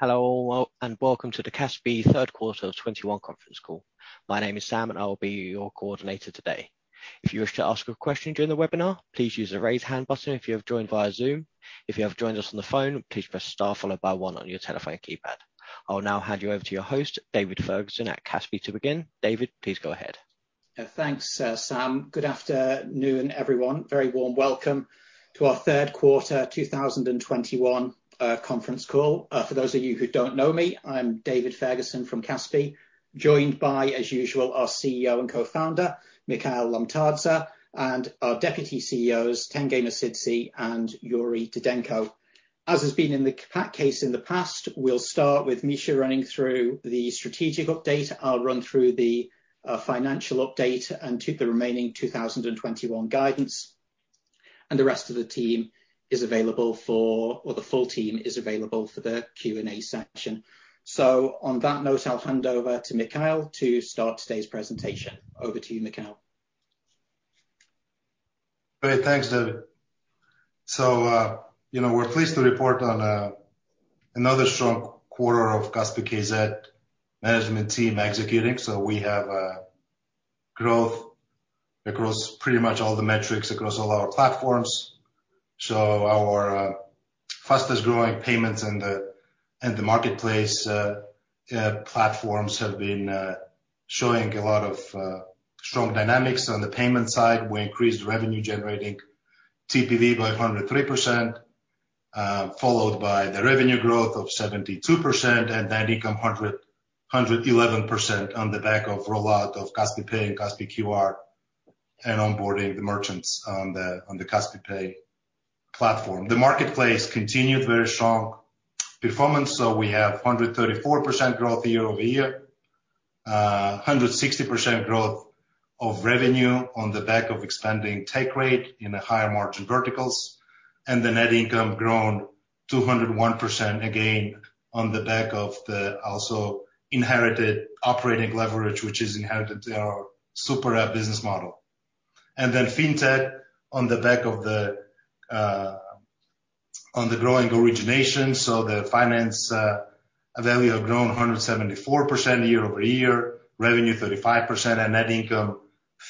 Hello, all, and welcome to the Kaspi.kz 3rd quarter of 2021 conference call. My name is Sam, and I will be your coordinator today. If you wish to ask a question during the webinar, please use the raise hand button if you have joined via Zoom. If you have joined us on the phone, please press star followed by one on your telephone keypad. I will now hand you over to your host, David Ferguson at Kaspi.kz to begin. David, please go ahead. Thanks, Sam. Good afternoon, everyone. Very warm welcome to our third quarter 2021 conference call. For those of you who don't know me, I'm David Ferguson from Kaspi, joined by, as usual, our CEO and co-founder, Mikheil Lomtadze, and our Deputy CEOs, Tengiz Mosidze and Yuri Didenko. As has been the case in the past, we'll start with Mikheil running through the strategic update. I'll run through the financial update and the remaining 2021 guidance. The rest of the team is available for or the full team is available for the Q&A session. On that note, I'll hand over to Mikheil to start today's presentation. Over to you, Mikheil. Great. Thanks, David. We're pleased to report on another strong quarter of Kaspi.kz management team executing. We have growth across pretty much all the metrics across all our platforms. Our fastest-growing Payments in the Marketplace platforms have been showing a lot of strong dynamics. On the Payment side, we increased revenue generating TPV by 103%, followed by the revenue growth of 72% and net income 111% on the back of rollout of Kaspi Pay and Kaspi QR and onboarding the merchants on the Kaspi Pay platform. The Marketplace continued very strong performance. We have 134% growth year-over-year, 160% growth of revenue on the back of expanding take rate in the higher margin verticals. The net income grown 201%, again, on the back of the also inherited operating leverage, which is inherited in our super app business model. Fintech on the back of the growing origination. The finance value have grown 174% year-over-year, revenue 35% and net income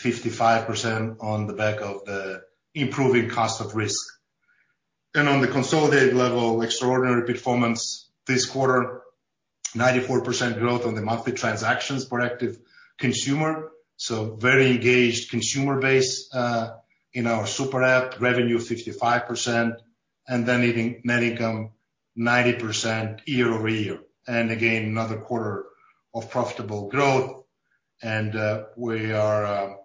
55% on the back of the improving cost of risk. On the consolidated level, extraordinary performance this quarter, 94% growth on the monthly transactions per active consumer. Very engaged consumer base in our super app. Revenue 55%, net income 90% year-over-year. Again, another quarter of profitable growth. We are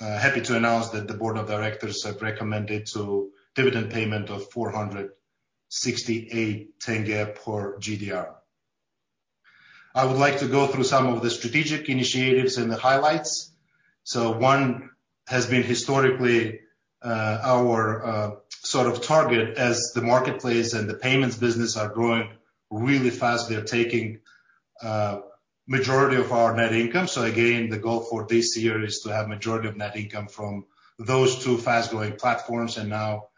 happy to announce that the board of directors have recommended to dividend payment of KZT 468 per GDR. I would like to go through some of the strategic initiatives and the highlights. One has been historically our sort of target as the Marketplace and the Payments business are growing really fast. They're taking majority of our net income. Again, the goal for this year is to have majority of net income from those two fast-growing platforms. Now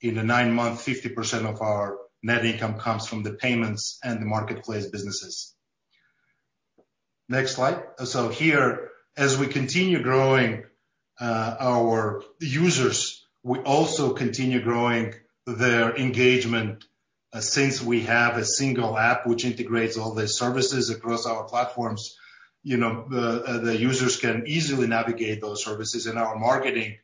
in the nine months, 50% of our net income comes from the Payments and the Marketplace businesses. Next slide. Here, as we continue growing our users, we also continue growing their engagement since we have a single app which integrates all the services across our platforms. The users can easily navigate those services, and our marketing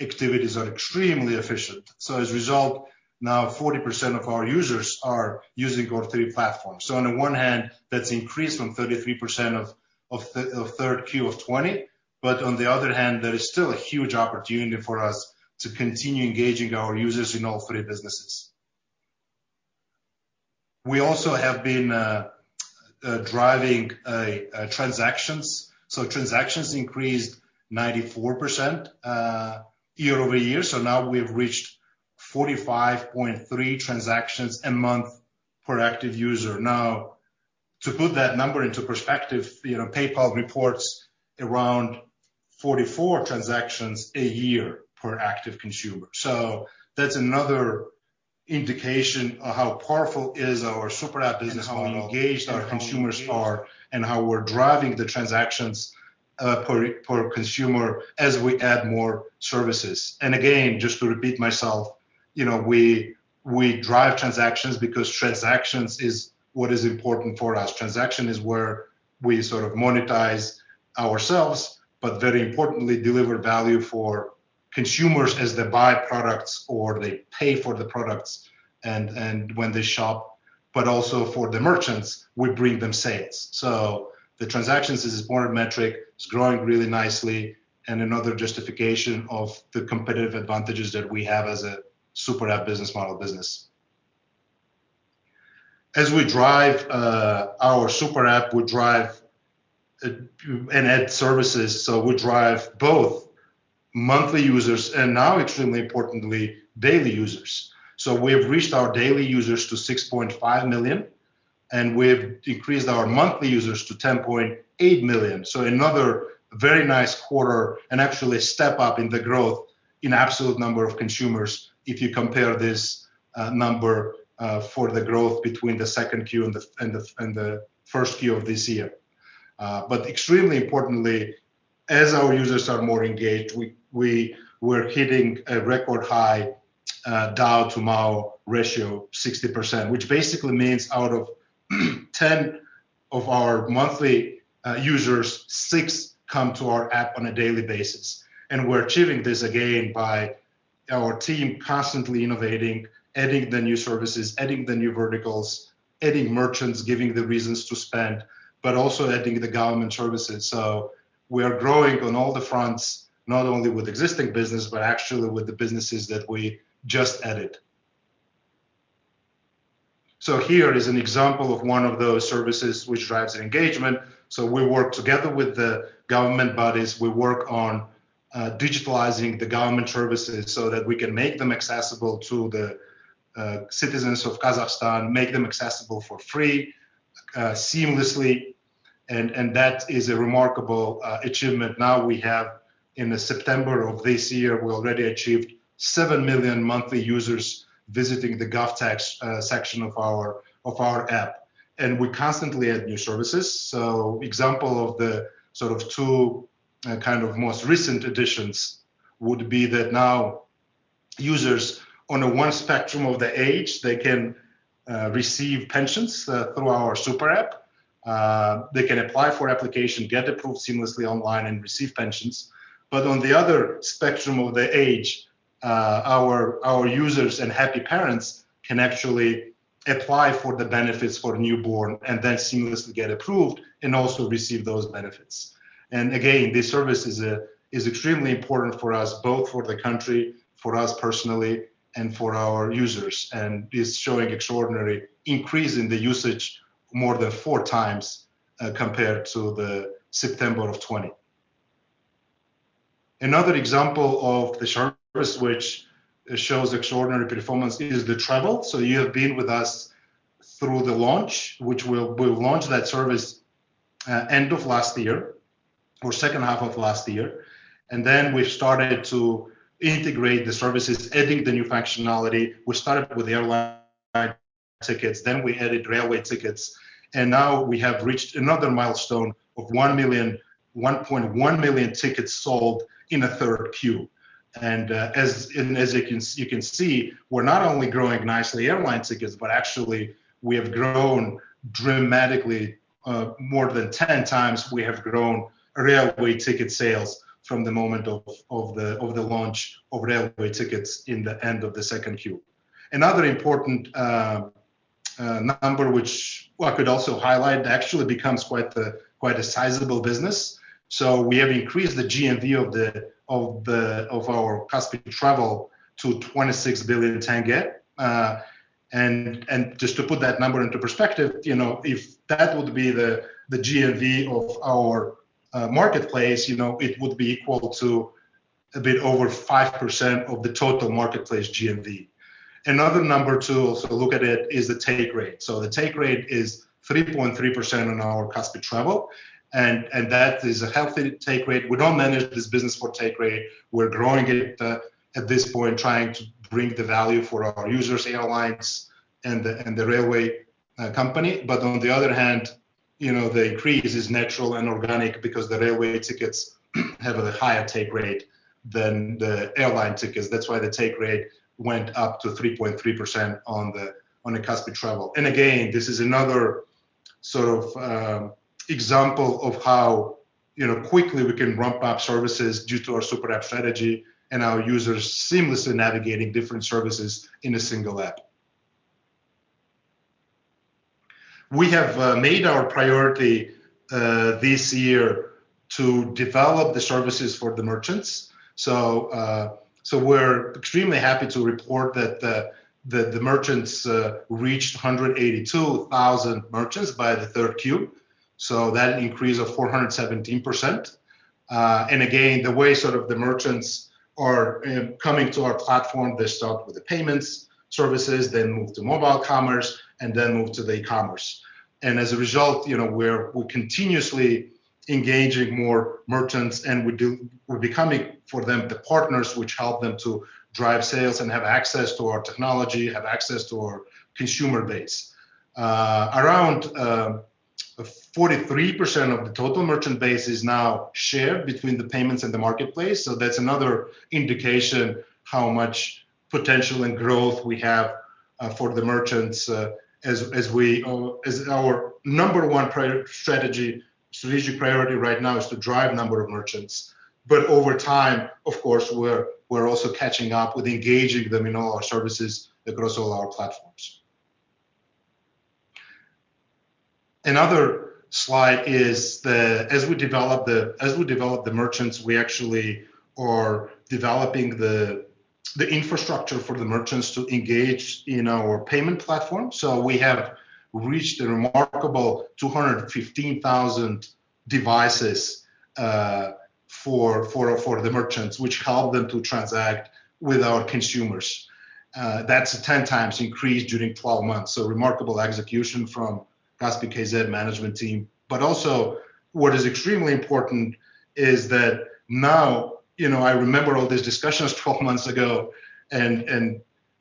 activities are extremely efficient. As a result, now 40% of our users are using our three platforms. On the one hand, that's increased from 33% of third Q of 2020. On the other hand, there is still a huge opportunity for us to continue engaging our users in all three businesses. We also have been driving transactions. Transactions increased 94% year-over-year. Now we've reached 45.3 transactions a month per active user. Now, to put that number into perspective, PayPal reports around 44 transactions a year per active consumer. That's another indication of how powerful is our super app business model and how engaged our consumers are and how we're driving the transactions per consumer as we add more services. Again, just to repeat myself, we drive transactions because transactions is what is important for us. Transaction is where we sort of monetize ourselves, but very importantly, deliver value for consumers as they buy products or they pay for the products and when they shop. Also for the merchants, we bring them sales. The transactions is an important metric. It's growing really nicely and another justification of the competitive advantages that we have as a super app business model business. As we drive our super app, we drive and add services. We drive both monthly users and now extremely importantly, daily users. We have reached our daily users to 6.5 million, and we've increased our monthly users to 10.8 million. Another very nice quarter and actually a step up in the growth in absolute number of consumers, if you compare this number for the growth between the second Q and the first Q of this year. Extremely importantly, as our users are more engaged, we were hitting a record high DAU to MAU ratio 60%, which basically means out of 10 of our monthly users, six come to our app on a daily basis. We're achieving this, again, by our team constantly innovating, adding the new services, adding the new verticals, adding merchants, giving the reasons to spend, but also adding the government services. We are growing on all the fronts, not only with existing business, but actually with the businesses that we just added. Here is an example of one of those services which drives engagement. We work together with the government bodies. We work on digitalizing the government services so that we can make them accessible to the citizens of Kazakhstan, make them accessible for free seamlessly, and that is a remarkable achievement. Now we have, in the September of this year, we already achieved 7 million monthly users visiting the GovTech section of our app. We constantly add new services. Example of the two most recent additions would be that now users on a one spectrum of the age, they can receive pensions through our Super App. They can apply for application, get approved seamlessly online, and receive pensions. On the other spectrum of the age, our users and happy parents can actually apply for the benefits for newborn and then seamlessly get approved and also receive those benefits. Again, this service is extremely important for us, both for the country, for us personally, and for our users, and is showing extraordinary increase in the usage more than four times compared to the September of 2020. Another example of the service which shows extraordinary performance is the travel. You have been with us through the launch, which we launched that service end of last year or second half of last year, then we started to integrate the services, adding the new functionality. We started with airline tickets, then we added railway tickets, and now we have reached another milestone of 1.1 million tickets sold in the third Q. As you can see, we're not only growing nicely airline tickets, but actually we have grown dramatically, more than 10 times we have grown railway ticket sales from the moment of the launch of railway tickets in the end of the second Q. Another important number which I could also highlight, actually becomes quite a sizable business. We have increased the GMV of our Kaspi Travel to KZT 26 billion. Just to put that number into perspective, if that would be the GMV of our marketplace, it would be equal to a bit over 5% of the total marketplace GMV. Another number to also look at it is the take rate. The take rate is 3.3% on our Kaspi Travel, and that is a healthy take rate. We don't manage this business for take rate. We're growing it at this point, trying to bring the value for our users, airlines, and the railway company. On the other hand, the increase is natural and organic because the railway tickets have a higher take rate than the airline tickets. That's why the take rate went up to 3.3% on the Kaspi Travel. Again, this is another example of how quickly we can ramp up services due to our super app strategy and our users seamlessly navigating different services in a single app. We have made our priority this year to develop the services for the merchants. We're extremely happy to report that the merchants reached 182,000 merchants by the third Q. That increase of 417%. Again, the way the merchants are coming to our platform, they start with the payments services, then move to mobile commerce, and then move to the commerce. As a result, we're continuously engaging more merchants, and we're becoming, for them, the partners which help them to drive sales and have access to our technology, have access to our consumer base. Around 43% of the total merchant base is now shared between the payments and the marketplace. That's another indication how much potential and growth we have for the merchants as our number one strategy priority right now is to drive number of merchants. Over time, of course, we're also catching up with engaging them in all our services across all our platforms. Another slide is as we develop the merchants, we actually are developing the infrastructure for the merchants to engage in our payment platform. We have reached a remarkable 215,000 devices for the merchants, which help them to transact with our consumers. That's a 10 times increase during 12 months. Remarkable execution from Kaspi.kz management team. Also what is extremely important is that now, I remember all these discussions 12 months ago, and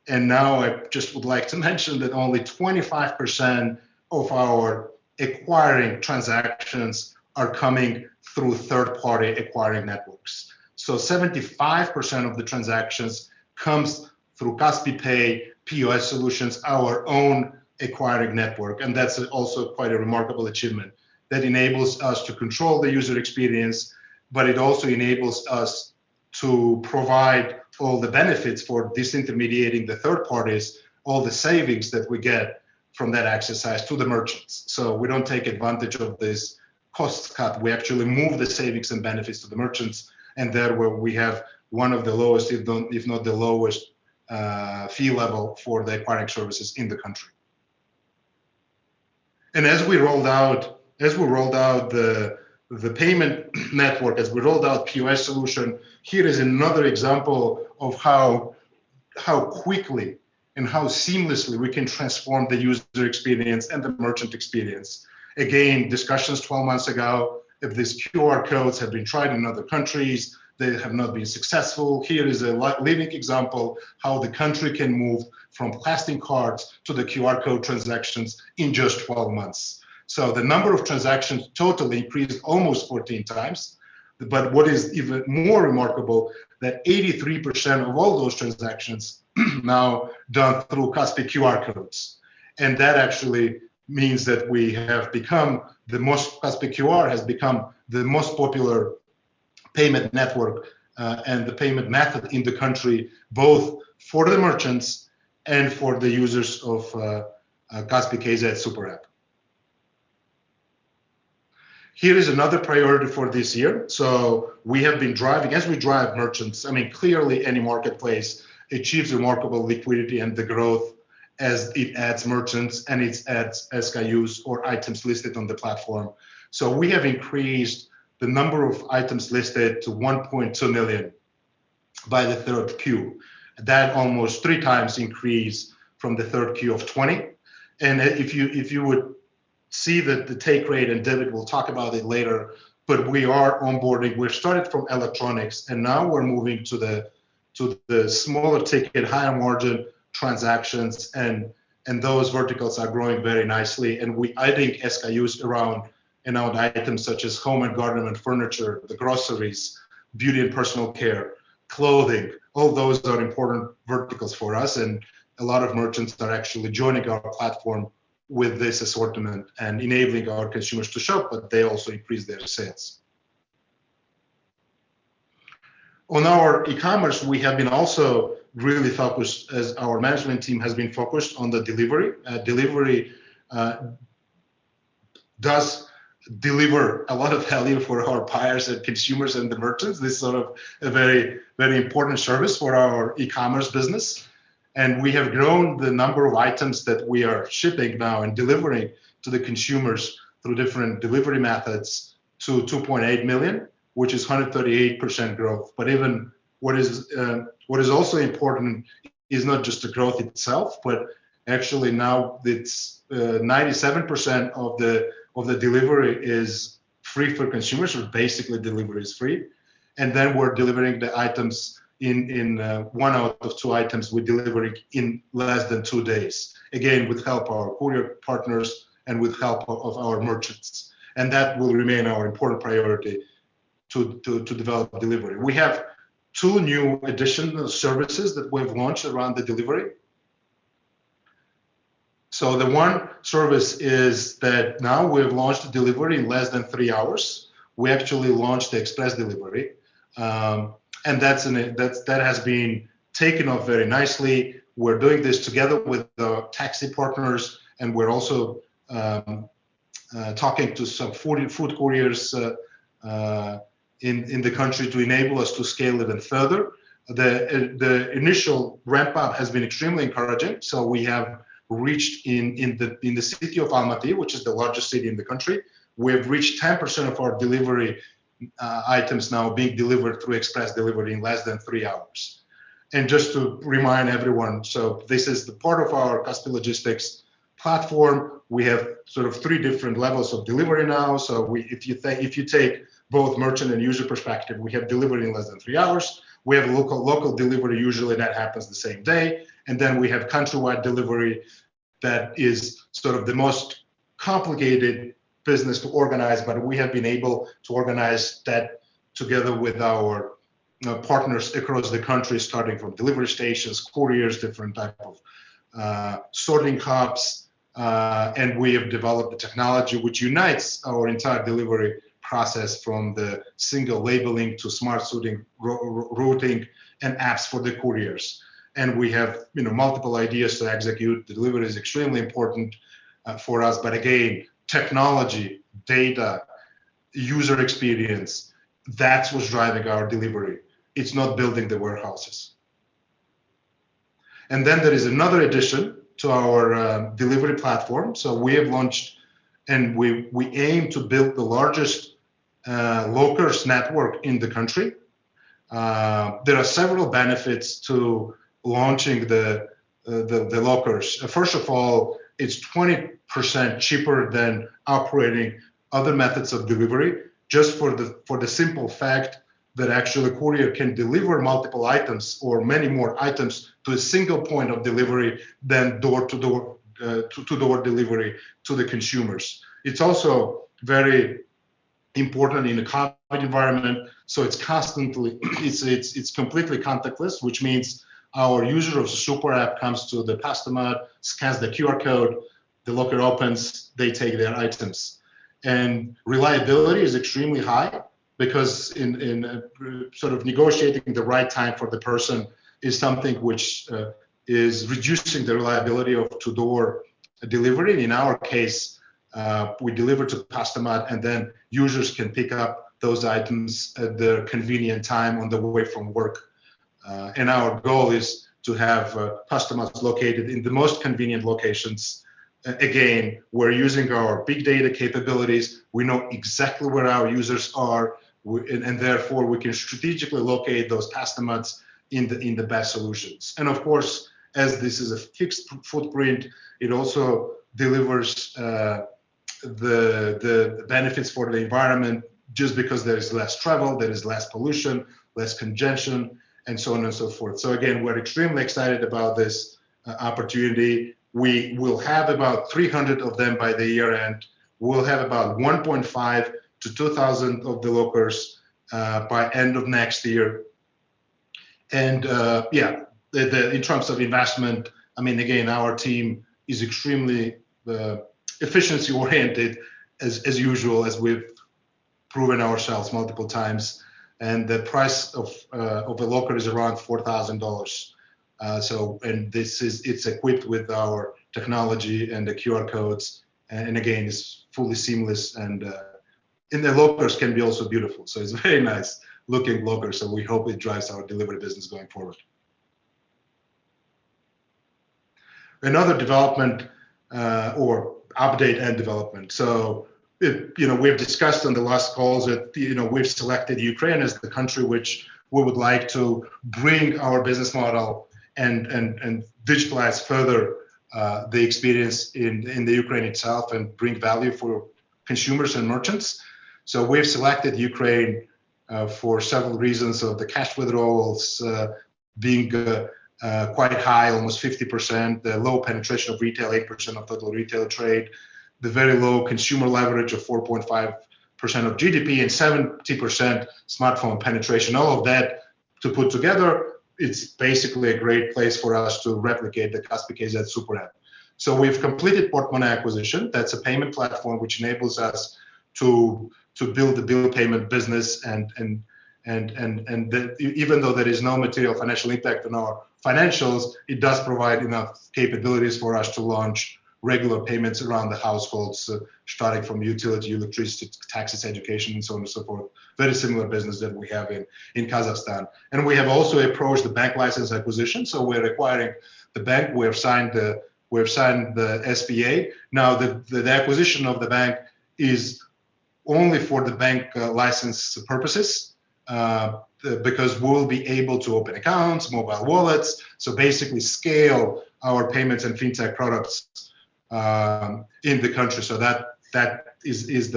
now I just would like to mention that only 25% of our acquiring transactions are coming through third-party acquiring networks. 75% of the transactions comes through Kaspi Pay POS solutions, our own acquiring network, and that's also quite a remarkable achievement that enables us to control the user experience, but it also enables us to provide all the benefits for disintermediating the third parties, all the savings that we get from that exercise to the merchants. We don't take advantage of this cost cut. We actually move the savings and benefits to the merchants, and that way we have one of the lowest, if not the lowest, fee level for the acquiring services in the country. As we rolled out the payment network, as we rolled out POS solution, here is another example of how quickly and how seamlessly we can transform the user experience and the merchant experience. Discussions 12 months ago, if these QR codes have been tried in other countries, they have not been successful. Here is a living example how the country can move from plastic cards to the QR code transactions in just 12 months. The number of transactions total increased almost 14 times. What is even more remarkable, that 83% of all those transactions now done through Kaspi QR codes. That actually means that Kaspi QR has become the most popular payment network, and the payment method in the country, both for the merchants and for the users of Kaspi.kz Super App. Here is another priority for this year. As we drive merchants, clearly any marketplace achieves remarkable liquidity and the growth as it adds merchants and it adds SKUs or items listed on the platform. We have increased the number of items listed to 1.2 million by the third Q. That almost three times increase from the third Q of 2020. If you would see that the take rate and debit, we'll talk about it later, we are onboarding. We started from electronics, and now we're moving to the smaller ticket, higher margin transactions, and those verticals are growing very nicely. I think SKUs around items such as home and garden, and furniture, the groceries, beauty and personal care, clothing, all those are important verticals for us. A lot of merchants are actually joining our platform with this assortment and enabling our consumers to shop, they also increase their sales. On our e-commerce, we have been also really focused as our management team has been focused on the delivery. Delivery does deliver a lot of value for our buyers and consumers and the merchants. This is a very important service for our e-commerce business. We have grown the number of items that we are shipping now and delivering to the consumers through different delivery methods to 2.8 million, which is 138% growth. Even what is also important is not just the growth itself, but actually now it is 97% of the delivery is free for consumers, or basically delivery is free. Then we are delivering one out of two items we are delivering in less than two days, again, with help our courier partners and with help of our merchants. That will remain our important priority to develop delivery. We have two new additional services that we have launched around the delivery. The one service is that now we have launched a delivery in less than three hours. We actually launched the express delivery. That has been taken off very nicely. We're doing this together with the taxi partners, and we're also talking to some food couriers in the country to enable us to scale even further. The initial ramp-up has been extremely encouraging. We have reached in the city of Almaty, which is the largest city in the country, we have reached 10% of our delivery items now being delivered through express delivery in less than three hours. Just to remind everyone, this is the part of our customer logistics platform. We have three different levels of delivery now. If you take both merchant and user perspective, we have delivery in less than three hours. We have local delivery, usually that happens the same day. Then we have countrywide delivery that is the most complicated business to organize, but we have been able to organize that together with our partners across the country, starting from delivery stations, couriers, different type of sorting hubs. We have developed a technology which unites our entire delivery process from the single labeling to smart routing and apps for the couriers. We have multiple ideas to execute. Delivery is extremely important for us. Again, technology, data, user experience, that's what's driving our delivery. It's not building the warehouses. Then there is another addition to our delivery platform. We have launched, and we aim to build the largest lockers network in the country. There are several benefits to launching the lockers. First of all, it's 20% cheaper than operating other methods of delivery, just for the simple fact that actually a courier can deliver multiple items or many more items to a single point of delivery than door-to-door delivery to the consumers. It's also very important in the COVID environment. It's completely contactless, which means our user of the super app comes to the Kaspi Postomat, scans the QR code, the locker opens, they take their items. Reliability is extremely high because negotiating the right time for the person is something which is reducing the reliability of door-to-door delivery. In our case, we deliver to Kaspi Postomat, and then users can pick up those items at their convenient time on the way from work. Our goal is to have Kaspi Postomats located in the most convenient locations. Again, we're using our big data capabilities. We know exactly where our users are, therefore we can strategically locate those Kaspi Postomats in the best solutions. Of course, as this is a fixed footprint, it also delivers the benefits for the environment just because there is less travel, there is less pollution, less congestion, and so on and so forth. Again, we're extremely excited about this opportunity. We will have about 300 of them by the year-end. We will have about 1,500-2,000 of the lockers by end of next year. In terms of investment, again, our team is extremely efficiency-oriented as usual, as we've proven ourselves multiple times. The price of a locker is around $4,000. It's equipped with our technology and the QR codes, is fully seamless, the lockers can be also beautiful. It's very nice looking lockers, and we hope it drives our delivery business going forward. Another update and development. We've discussed on the last calls that we've selected Ukraine as the country which we would like to bring our business model and digitalize further the experience in Ukraine itself and bring value for consumers and merchants. We've selected Ukraine for several reasons. The cash withdrawals being quite high, almost 50%, the low penetration of retail, 8% of total retail trade, the very low consumer leverage of 4.5% of GDP, and 70% smartphone penetration. All of that to put together, it's basically a great place for us to replicate the Kaspi.kz Super App. We've completed Portmone acquisition. That's a payment platform which enables us to build the bill payment business. Even though there is no material financial impact on our financials, it does provide enough capabilities for us to launch regular payments around the households, starting from utility, electricity, taxes, education, and so on and so forth. Very similar business that we have in Kazakhstan. We have also approached the bank license acquisition, so we're acquiring the bank. We have signed the SPA. The acquisition of the bank is only for the bank license purposes because we'll be able to open accounts, mobile wallets. Basically scale our payments and fintech products in the country. That is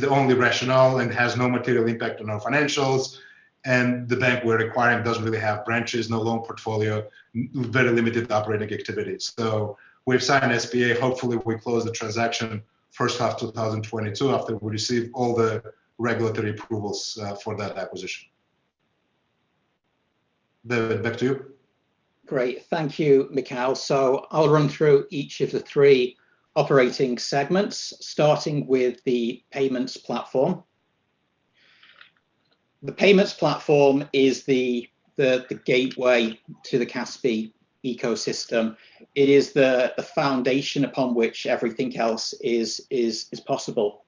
the only rationale and has no material impact on our financials. The bank we're acquiring doesn't really have branches, no loan portfolio, very limited operating activities. We've signed an SPA. Hopefully, we close the transaction first half 2022, after we receive all the regulatory approvals for that acquisition. David, back to you. Great. Thank you, Mikheil. I'll run through each of the three operating segments, starting with the payments platform. The payments platform is the gateway to the Kaspi ecosystem. It is the foundation upon which everything else is possible.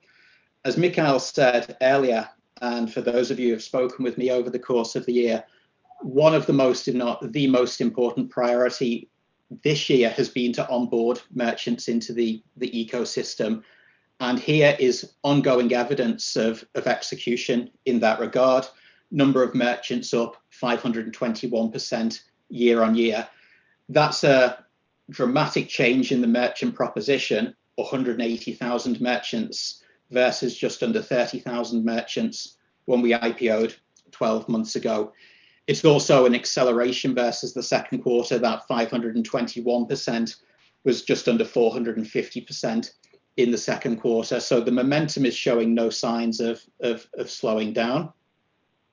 As Mikhail said earlier, and for those of you who've spoken with me over the course of the year, one of the most, if not the most important priority this year has been to onboard merchants into the ecosystem. Here is ongoing evidence of execution in that regard. Number of merchants up 521% year-on-year. That's a dramatic change in the merchant proposition, 180,000 merchants versus just under 30,000 merchants when we IPO'd 12 months ago. It's also an acceleration versus the second quarter. That 521% was just under 450% in the second quarter. The momentum is showing no signs of slowing down,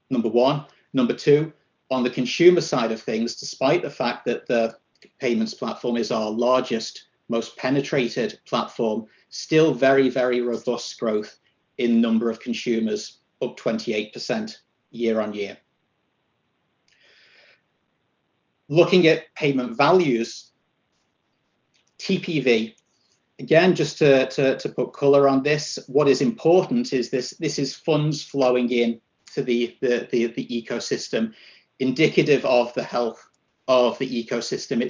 number one. Number two, on the consumer side of things, despite the fact that the payments platform is our largest, most penetrated platform, still very, very robust growth in number of consumers, up 28% year on year. Looking at payment values, TPV, again, just to put color on this, what is important is this is funds flowing in to the ecosystem, indicative of the health of the ecosystem.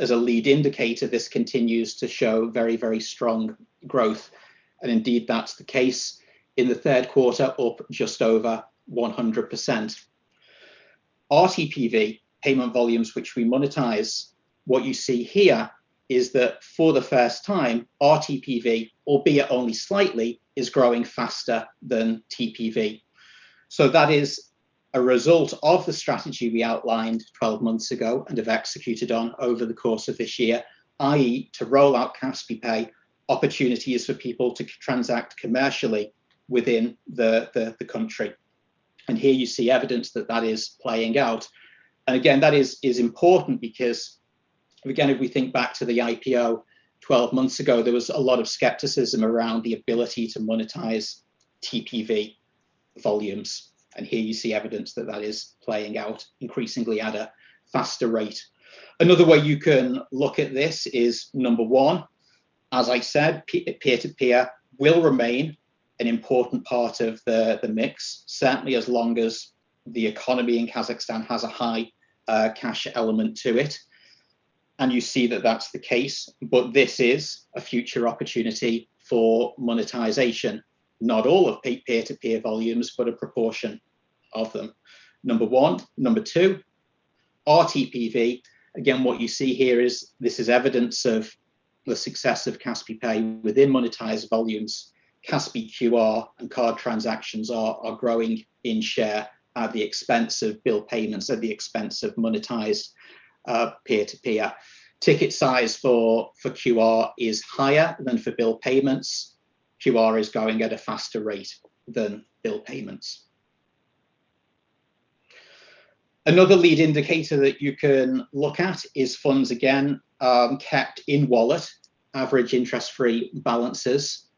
As a lead indicator, this continues to show very, very strong growth. Indeed, that's the case in the third quarter, up just over 100%. RTPV, payment volumes which we monetize. What you see here is that for the first time, RTPV, albeit only slightly, is growing faster than TPV. That is a result of the strategy we outlined 12 months ago and have executed on over the course of this year, i.e., to roll out Kaspi Pay opportunities for people to transact commercially within the country. Here you see evidence that that is playing out. Again, that is important because, again, if we think back to the IPO 12 months ago, there was a lot of skepticism around the ability to monetize TPV volumes. Here you see evidence that that is playing out increasingly at a faster rate. Another way you can look at this is, number one, as I said, peer-to-peer will remain an important part of the mix, certainly as long as the economy in Kazakhstan has a high cash element to it. You see that that's the case. This is a future opportunity for monetization. Not all of peer-to-peer volumes, but a proportion of them. Number one. Number two, RTPV. Again, what you see here is this is evidence of the success of Kaspi Pay within monetized volumes. Kaspi QR and card transactions are growing in share at the expense of bill payments, at the expense of monetized peer-to-peer. Ticket size for QR is higher than for bill payments. QR is growing at a faster rate than bill payments. Another lead indicator that you can look at is funds, again, kept in wallet, average interest-free balances.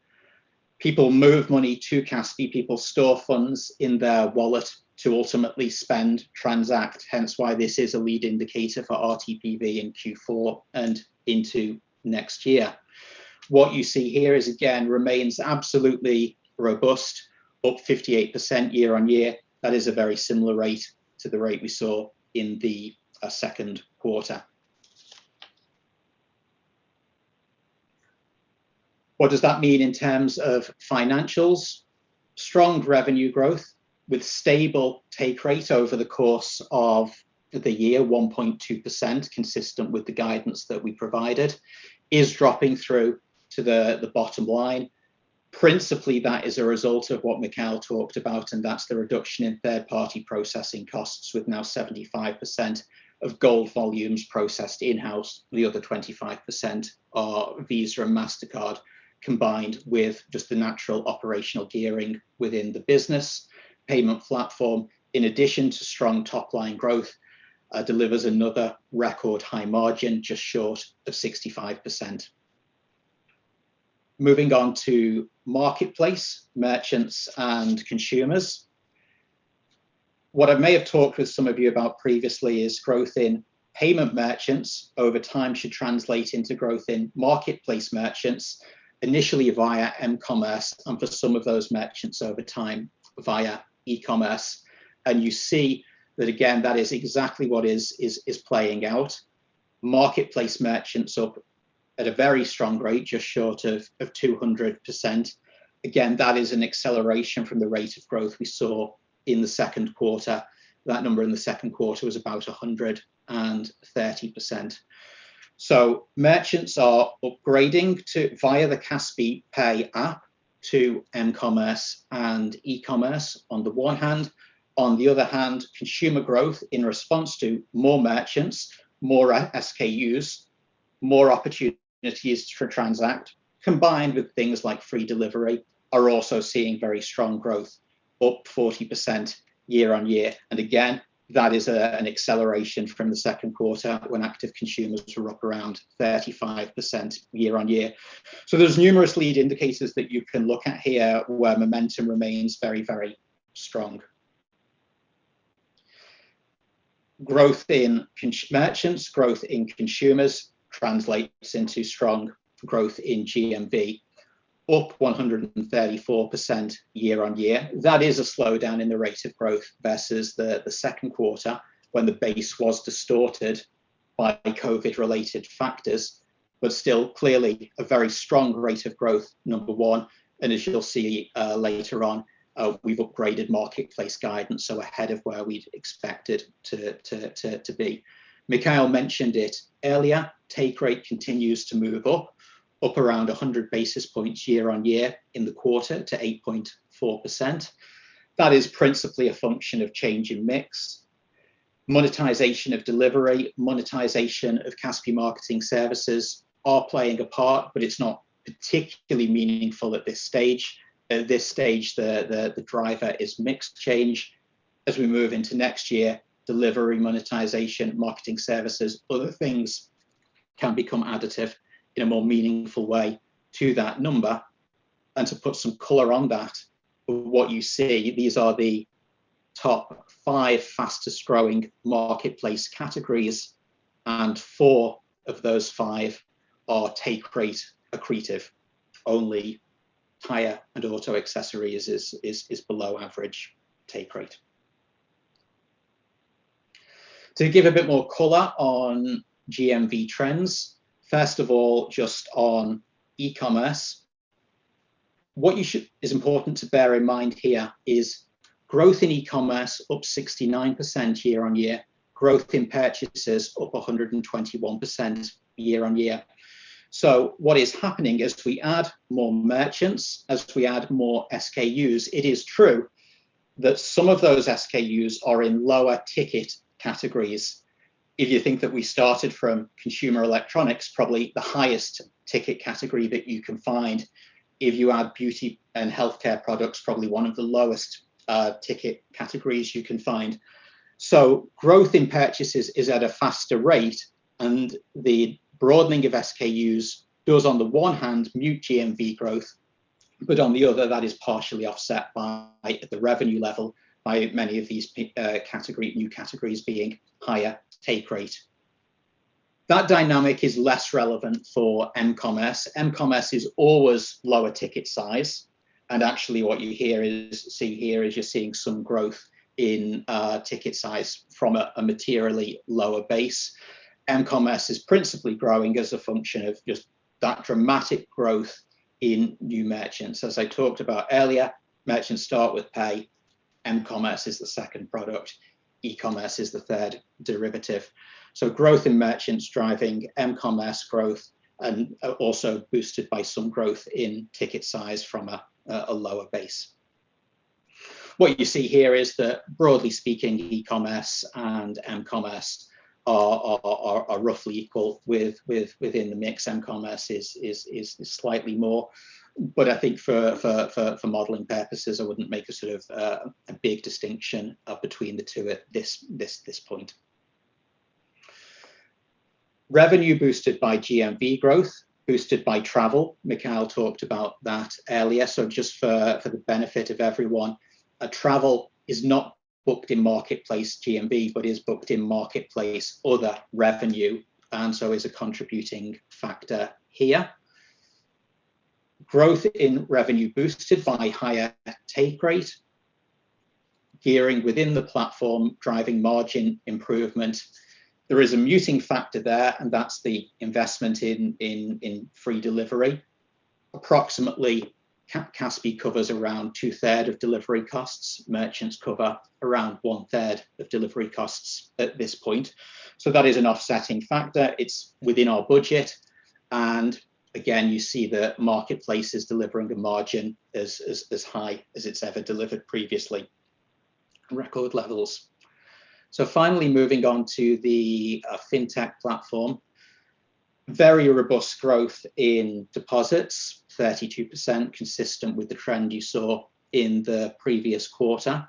People move money to Kaspi. People store funds in their wallet to ultimately spend, transact, hence why this is a lead indicator for RTPV in Q4 and into next year. What you see here is again remains absolutely robust, up 58% year-over-year. That is a very similar rate to the rate we saw in the second quarter. What does that mean in terms of financials? Strong revenue growth with stable take rate over the course of the year, 1.2%, consistent with the guidance that we provided, is dropping through to the bottom line. Principally, that is a result of what Mikheil talked about, and that's the reduction in third-party processing costs, with now 75% of gold volumes processed in-house. The other 25% are Visa and Mastercard, combined with just the natural operational gearing within the business payment platform. In addition to strong top-line growth, delivers another record high margin, just short of 65%. Moving on to marketplace, merchants, and consumers. What I may have talked with some of you about previously is growth in payment merchants over time should translate into growth in marketplace merchants, initially via m-commerce, and for some of those merchants over time via e-commerce. You see that again, that is exactly what is playing out. Marketplace merchants up at a very strong rate, just short of 200%. That is an acceleration from the rate of growth we saw in the second quarter. That number in the second quarter was about 130%. Merchants are upgrading via the Kaspi Pay app to m-commerce and e-commerce on the one hand. On the other hand, consumer growth in response to more merchants, more SKUs, more opportunities for transact, combined with things like free delivery, are also seeing very strong growth, up 40% year-on-year. That is an acceleration from the second quarter when active consumers were up around 35% year-on-year. There's numerous lead indicators that you can look at here where momentum remains very, very strong. Growth in merchants, growth in consumers translates into strong growth in GMV, up 134% year-on-year. That is a slowdown in the rate of growth versus the second quarter when the base was distorted by COVID-related factors, still, clearly a very strong rate of growth, number one. As you'll see later on, we've upgraded marketplace guidance, ahead of where we'd expected to be. Mikheil mentioned it earlier, take rate continues to move up around 100 basis points year-on-year in the quarter to 8.4%. That is principally a function of change in mix. Monetization of delivery, monetization of Kaspi marketing services are playing a part, it's not particularly meaningful at this stage. At this stage, the driver is mix change. We move into next year, delivery monetization, marketing services, other things can become additive in a more meaningful way to that number. To put some color on that, what you see, these are the top five fastest-growing marketplace categories, and four of those five are take rate accretive, only Tire and auto accessories is below average take rate. To give a bit more color on GMV trends, first of all, just on e-commerce, what is important to bear in mind here is growth in e-commerce up 69% year-on-year, growth in purchases up 121% year-on-year. What is happening is we add more merchants, as we add more SKUs, it is true that some of those SKUs are in lower ticket categories. If you think that we started from consumer electronics, probably the highest ticket category that you can find. If you add beauty and healthcare products, probably one of the lowest ticket categories you can find. Growth in purchases is at a faster rate, and the broadening of SKUs does on the one hand mute GMV growth, but on the other, that is partially offset by the revenue level by many of these new categories being higher take rate. That dynamic is less relevant for m-commerce. M-commerce is always lower ticket size, and actually what you see here is you're seeing some growth in ticket size from a materially lower base. M-commerce is principally growing as a function of just that dramatic growth in new merchants. As I talked about earlier, merchants start with pay, m-commerce is the second product, e-commerce is the third derivative. Growth in merchants driving m-commerce growth and also boosted by some growth in ticket size from a lower base. What you see here is that broadly speaking, e-commerce and m-commerce are roughly equal within the mix. M-commerce is slightly more, I think for modeling purposes, I wouldn't make a sort of a big distinction between the two at this point. Revenue boosted by GMV growth, boosted by travel. Mikheil talked about that earlier. Just for the benefit of everyone, travel is not booked in marketplace GMV, but is booked in marketplace other revenue, is a contributing factor here. Growth in revenue boosted by higher take rate. Here within the platform, driving margin improvement. There is a muting factor there, and that's the investment in free delivery. Approximately Kaspi covers around two third of delivery costs. Merchants cover around one third of delivery costs at this point. That is an offsetting factor. It's within our budget, and again, you see the marketplace is delivering a margin as high as it's ever delivered previously. Record levels. Finally moving on to the Fintech platform. Very robust growth in deposits, 32% consistent with the trend you saw in the previous quarter.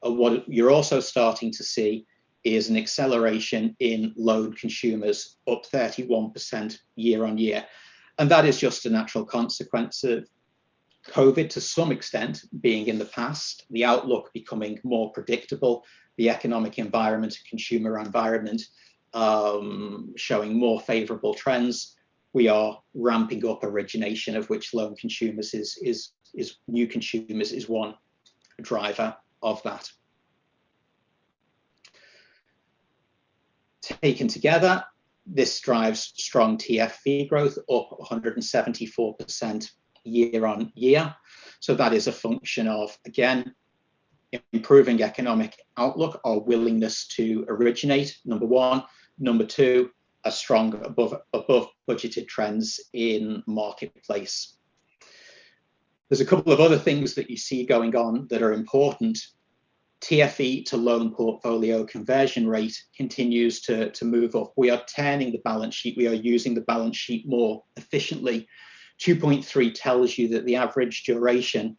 What you're also starting to see is an acceleration in loan consumers up 31% year-on-year. That is just a natural consequence of COVID to some extent being in the past, the outlook becoming more predictable, the economic environment, consumer environment showing more favorable trends. We are ramping up origination of which loan consumers is new consumers is one driver of that. Taken together, this drives strong TFE growth up 174% year-on-year. That is a function of, again, improving economic outlook, our willingness to originate, number one. Number two, a strong above budgeted trends in marketplace. There's a couple of other things that you see going on that are important. TFE to loan portfolio conversion rate continues to move up. We are turning the balance sheet. We are using the balance sheet more efficiently. 2.3 tells you that the average duration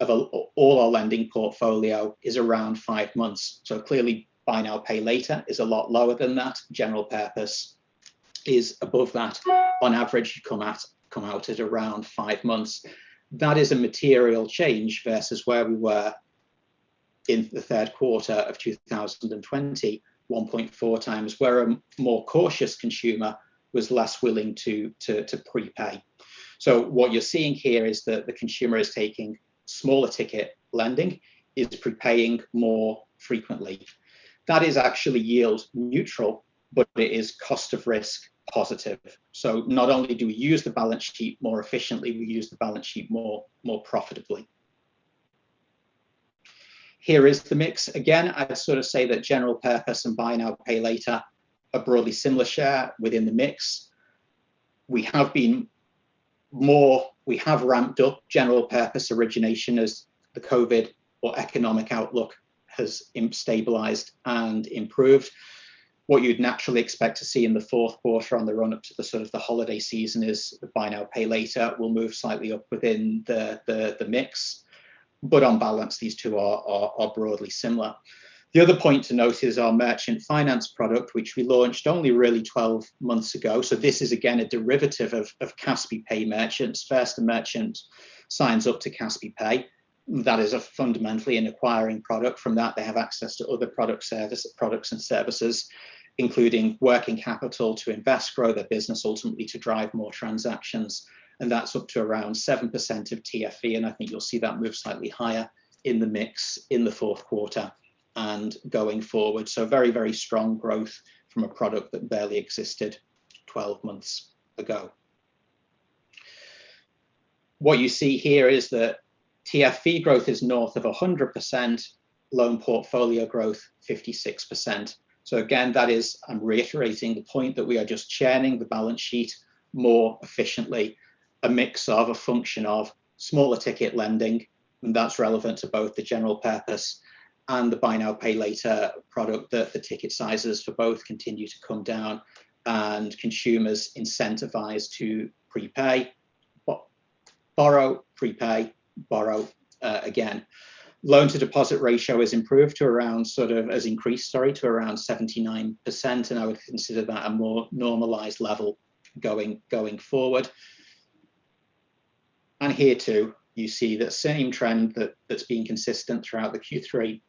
of all our lending portfolio is around five months. Clearly, buy now, pay later is a lot lower than that. General purpose is above that on average, come out at around five months. That is a material change versus where we were in the third quarter of 2020, 1.4 times, where a more cautious consumer was less willing to prepay. What you're seeing here is that the consumer is taking smaller ticket lending, is prepaying more frequently. That is actually yield neutral, but it is cost of risk positive. Not only do we use the balance sheet more efficiently, we use the balance sheet more profitably. Here is the mix. I sort of say that general purpose and buy now, pay later are broadly similar share within the mix. We have ramped up general purpose origination as the COVID or economic outlook has stabilized and improved. What you'd naturally expect to see in the fourth quarter on the run-up to the sort of the holiday season is the buy now, pay later will move slightly up within the mix. On balance, these two are broadly similar. The other point to note is our merchant finance product, which we launched only really 12 months ago. This is again a derivative of Kaspi Pay merchants. First, a merchant signs up to Kaspi Pay. That is fundamentally an acquiring product. From that, they have access to other products and services, including working capital to invest, grow their business, ultimately to drive more transactions. That's up to around 7% of TFE, and I think you'll see that move slightly higher in the mix in the fourth quarter and going forward. Very, very strong growth from a product that barely existed 12 months ago. What you see here is that TFE growth is north of 100%, loan portfolio growth 56%. Again, that is, I'm reiterating the point that we are just churning the balance sheet more efficiently, a mix of a function of smaller ticket lending, and that's relevant to both the general purpose and the buy now, pay later product that the ticket sizes for both continue to come down and consumers incentivized to borrow, prepay, borrow again. Loan-to-deposit ratio has increased to around 79%, and I would consider that a more normalized level going forward. Here, too, you see the same trend that's been consistent throughout the Q3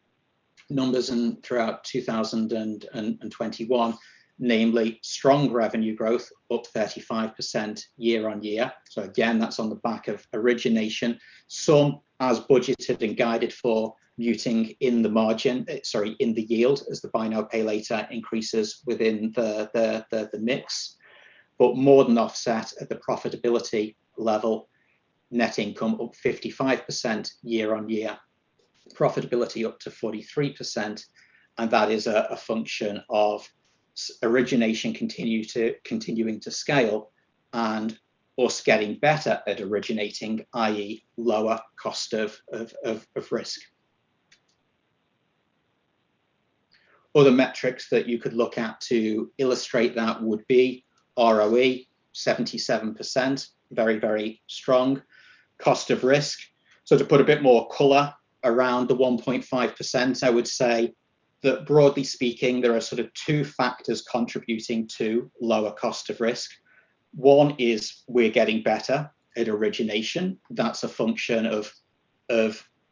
numbers and throughout 2021, namely strong revenue growth, up 35% year-on-year. Again, that's on the back of origination. Some as budgeted and guided for muting in the yield as the buy now, pay later increases within the mix, but more than offset at the profitability level. Net income up 55% year-on-year. Profitability up to 43%, and that is a function of origination continuing to scale and us getting better at originating, i.e., lower cost of risk. Other metrics that you could look at to illustrate that would be ROE 77%, very, very strong. Cost of risk. To put a bit more color around the 1.5%, I would say that broadly speaking, there are sort of two factors contributing to lower cost of risk. One is we're getting better at origination. That's a function of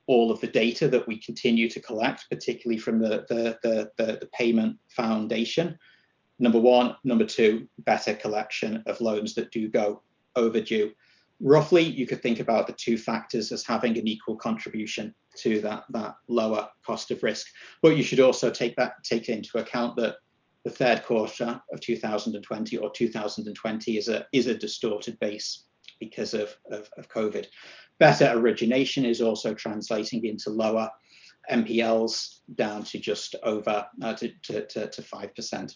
all of the data that we continue to collect, particularly from the payment foundation, number one. Number two, better collection of loans that do go overdue. Roughly, you could think about the two factors as having an equal contribution to that lower cost of risk. You should also take into account that the third quarter of 2020 is a distorted base because of COVID. Better origination is also translating into lower NPLs, down to just over to 5%.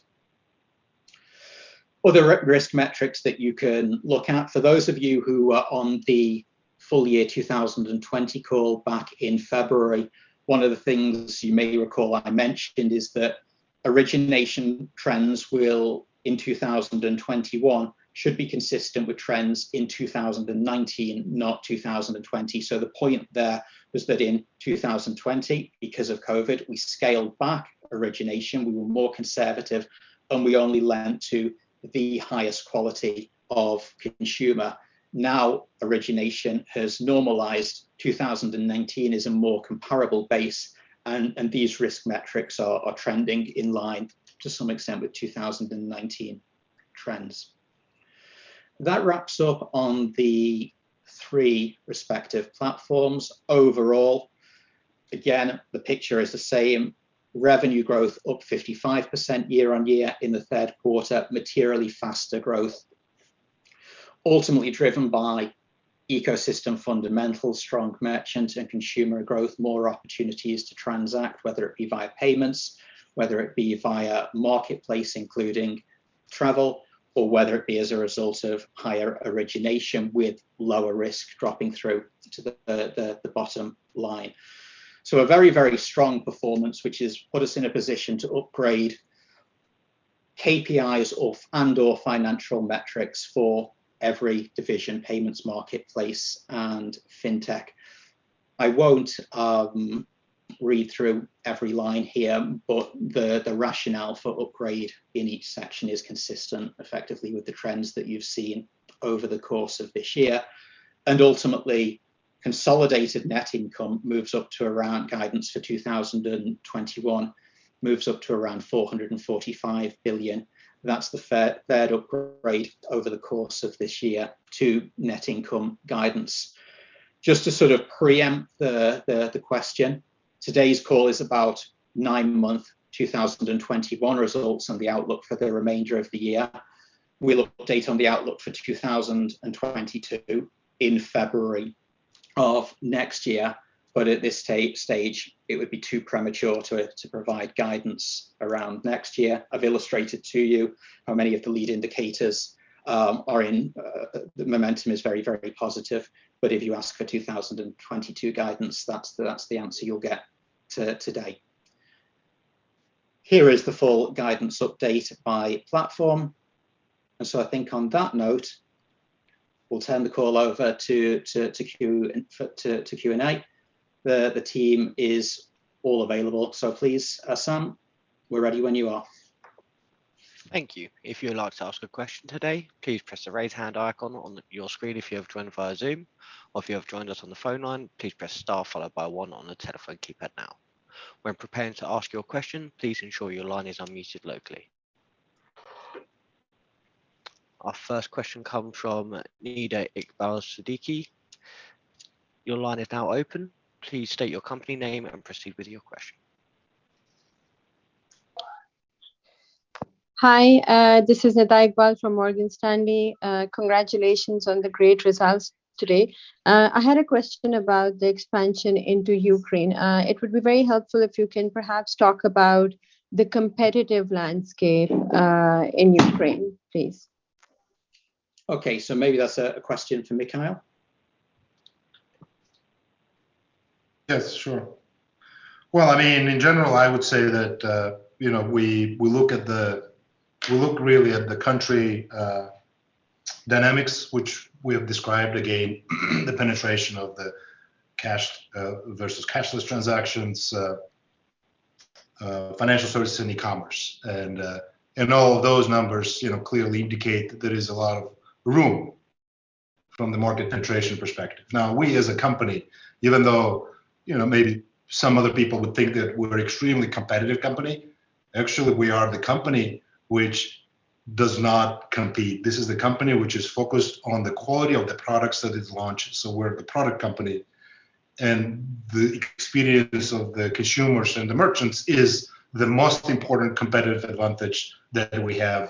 Other risk metrics that you can look at. For those of you who were on the full year 2020 call back in February, one of the things you may recall I mentioned is that origination trends in 2021 should be consistent with trends in 2019, not 2020. The point there was that in 2020, because of COVID, we scaled back origination. We were more conservative, and we only lent to the highest quality of consumer. Now origination has normalized. 2019 is a more comparable base, and these risk metrics are trending in line to some extent with 2019 trends. That wraps up on the three respective platforms. Overall, again, the picture is the same. Revenue growth up 55% year-on-year in the third quarter. Materially faster growth ultimately driven by ecosystem fundamentals, strong merchant and consumer growth, more opportunities to transact, whether it be via Payments, whether it be via Marketplace, including Kaspi Travel, or whether it be as a result of higher origination with lower risk dropping through to the bottom line. A very, very strong performance which has put us in a position to upgrade KPIs and/or financial metrics for every division, Payments, Marketplace, and Fintech. I won't read through every line here, but the rationale for upgrade in each section is consistent effectively with the trends that you've seen over the course of this year. Ultimately, consolidated net income moves up to around guidance for 2021, moves up to around KZT 445 billion. That's the fair upgrade over the course of this year to net income guidance. Just to sort of preempt the question, today's call is about nine-month 2021 results and the outlook for the remainder of the year. We'll update on the outlook for 2022 in February of next year, but at this stage, it would be too premature to provide guidance around next year. I've illustrated to you how many of the lead indicators are in. The momentum is very, very positive. If you ask for 2022 guidance, that's the answer you'll get today. Here is the full guidance update by platform. I think on that note, we'll turn the call over to Q&A. The team is all available. Please, Sam, we're ready when you are. Thank you. If you would like to ask a question today, please press the raise hand icon on your screen if you have joined via Zoom, or if you have joined us on the phone line, please press star followed by one on the telephone keypad now. When preparing to ask your question, please ensure your line is unmuted locally. Our first question comes from Nida Iqbal Siddiqui. Your line is now open. Please state your company name and proceed with your question. Hi, this is Nida Iqbal from Morgan Stanley. Congratulations on the great results today. I had a question about the expansion into Ukraine. It would be very helpful if you can perhaps talk about the competitive landscape in Ukraine, please. Okay. maybe that's a question for Mikheil. Yes, sure. Well, in general, I would say that we look really at the country dynamics, which we have described. Again, the penetration of the cash versus cashless transactions, financial services in e-commerce. All of those numbers clearly indicate that there is a lot of room from the market penetration perspective. We as a company, even though maybe some other people would think that we're extremely competitive company, actually, we are the company which does not compete. This is the company which is focused on the quality of the products that it launches. We're the product company, and the experience of the consumers and the merchants is the most important competitive advantage that we have.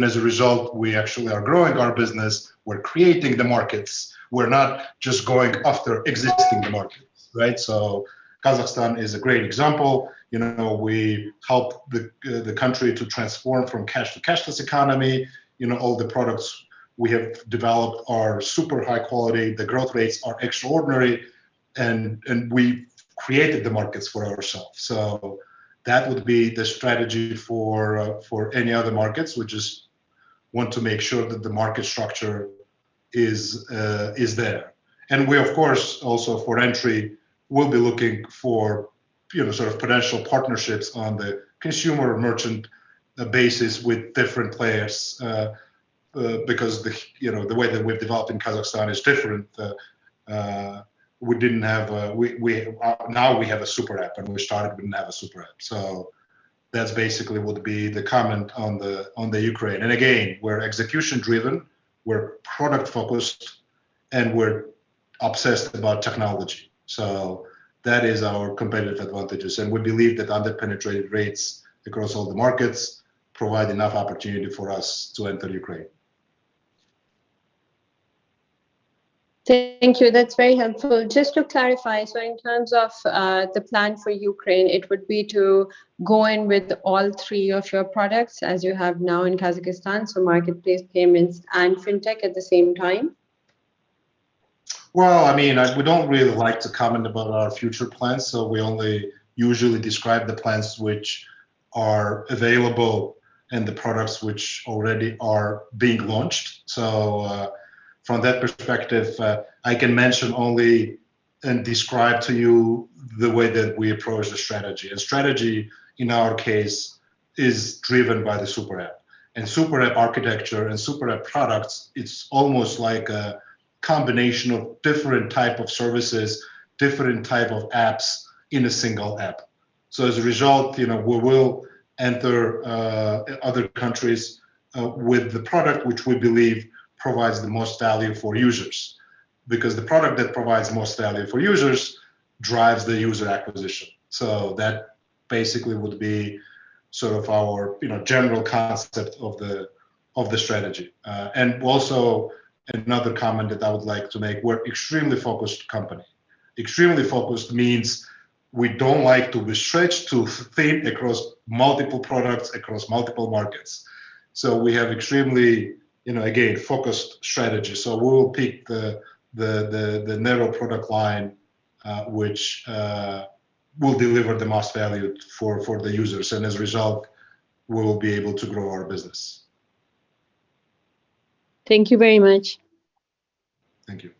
As a result, we actually are growing our business. We're creating the markets. We're not just going after existing markets, right? Kazakhstan is a great example. We help the country to transform from cash to cashless economy. All the products we have developed are super high quality. The growth rates are extraordinary, and we've created the markets for ourselves. That would be the strategy for any other markets. We just want to make sure that the market structure is there. We, of course, also for entry, will be looking for potential partnerships on the consumer merchant basis with different players, because the way that we've developed in Kazakhstan is different. Now we have a super app, and we started, we didn't have a super app. That's basically would be the comment on the Ukraine. Again, we're execution driven, we're product focused, and we're obsessed about technology. That is our competitive advantages, and we believe that under-penetrated rates across all the markets provide enough opportunity for us to enter Ukraine. Thank you. That's very helpful. Just to clarify, in terms of the plan for Ukraine, it would be to go in with all three of your products as you have now in Kazakhstan, marketplace, payments, and fintech at the same time? Well, we don't really like to comment about our future plans, so we only usually describe the plans which are available and the products which already are being launched. From that perspective, I can mention only and describe to you the way that we approach the strategy. Strategy, in our case, is driven by the super app. Super app architecture and super app products, it's almost like a combination of different type of services, different type of apps in a single app. As a result, we will enter other countries with the product which we believe provides the most value for users, because the product that provides the most value for users drives the user acquisition. That basically would be our general concept of the strategy. Also, another comment that I would like to make, we're extremely focused company. Extremely focused means we don't like to be stretched too thin across multiple products, across multiple markets. We have extremely, again, focused strategy. We will pick the narrow product line which will deliver the most value for the users, and as a result, we will be able to grow our business. Thank you very much. Thank you.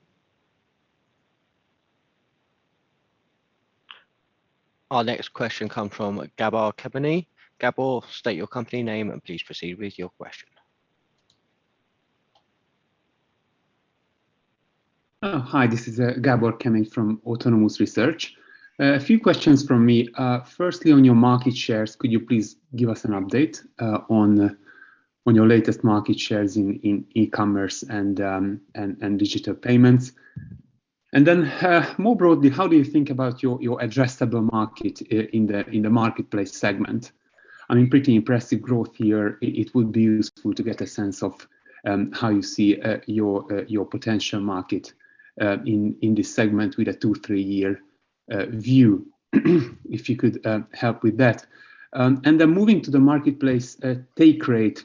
Our next question comes from Gabor Kemeny. Gabor, state your company name and please proceed with your question. Hi. This is Gabor Kemeny from Autonomous Research. A few questions from me. Firstly, on your market shares, could you please give us an update on your latest market shares in e-commerce and digital payments? More broadly, how do you think about your addressable market in the marketplace segment? Pretty impressive growth here. It would be useful to get a sense of how you see your potential market in this segment with a two, three-year view, if you could help with that. Moving to the marketplace take rate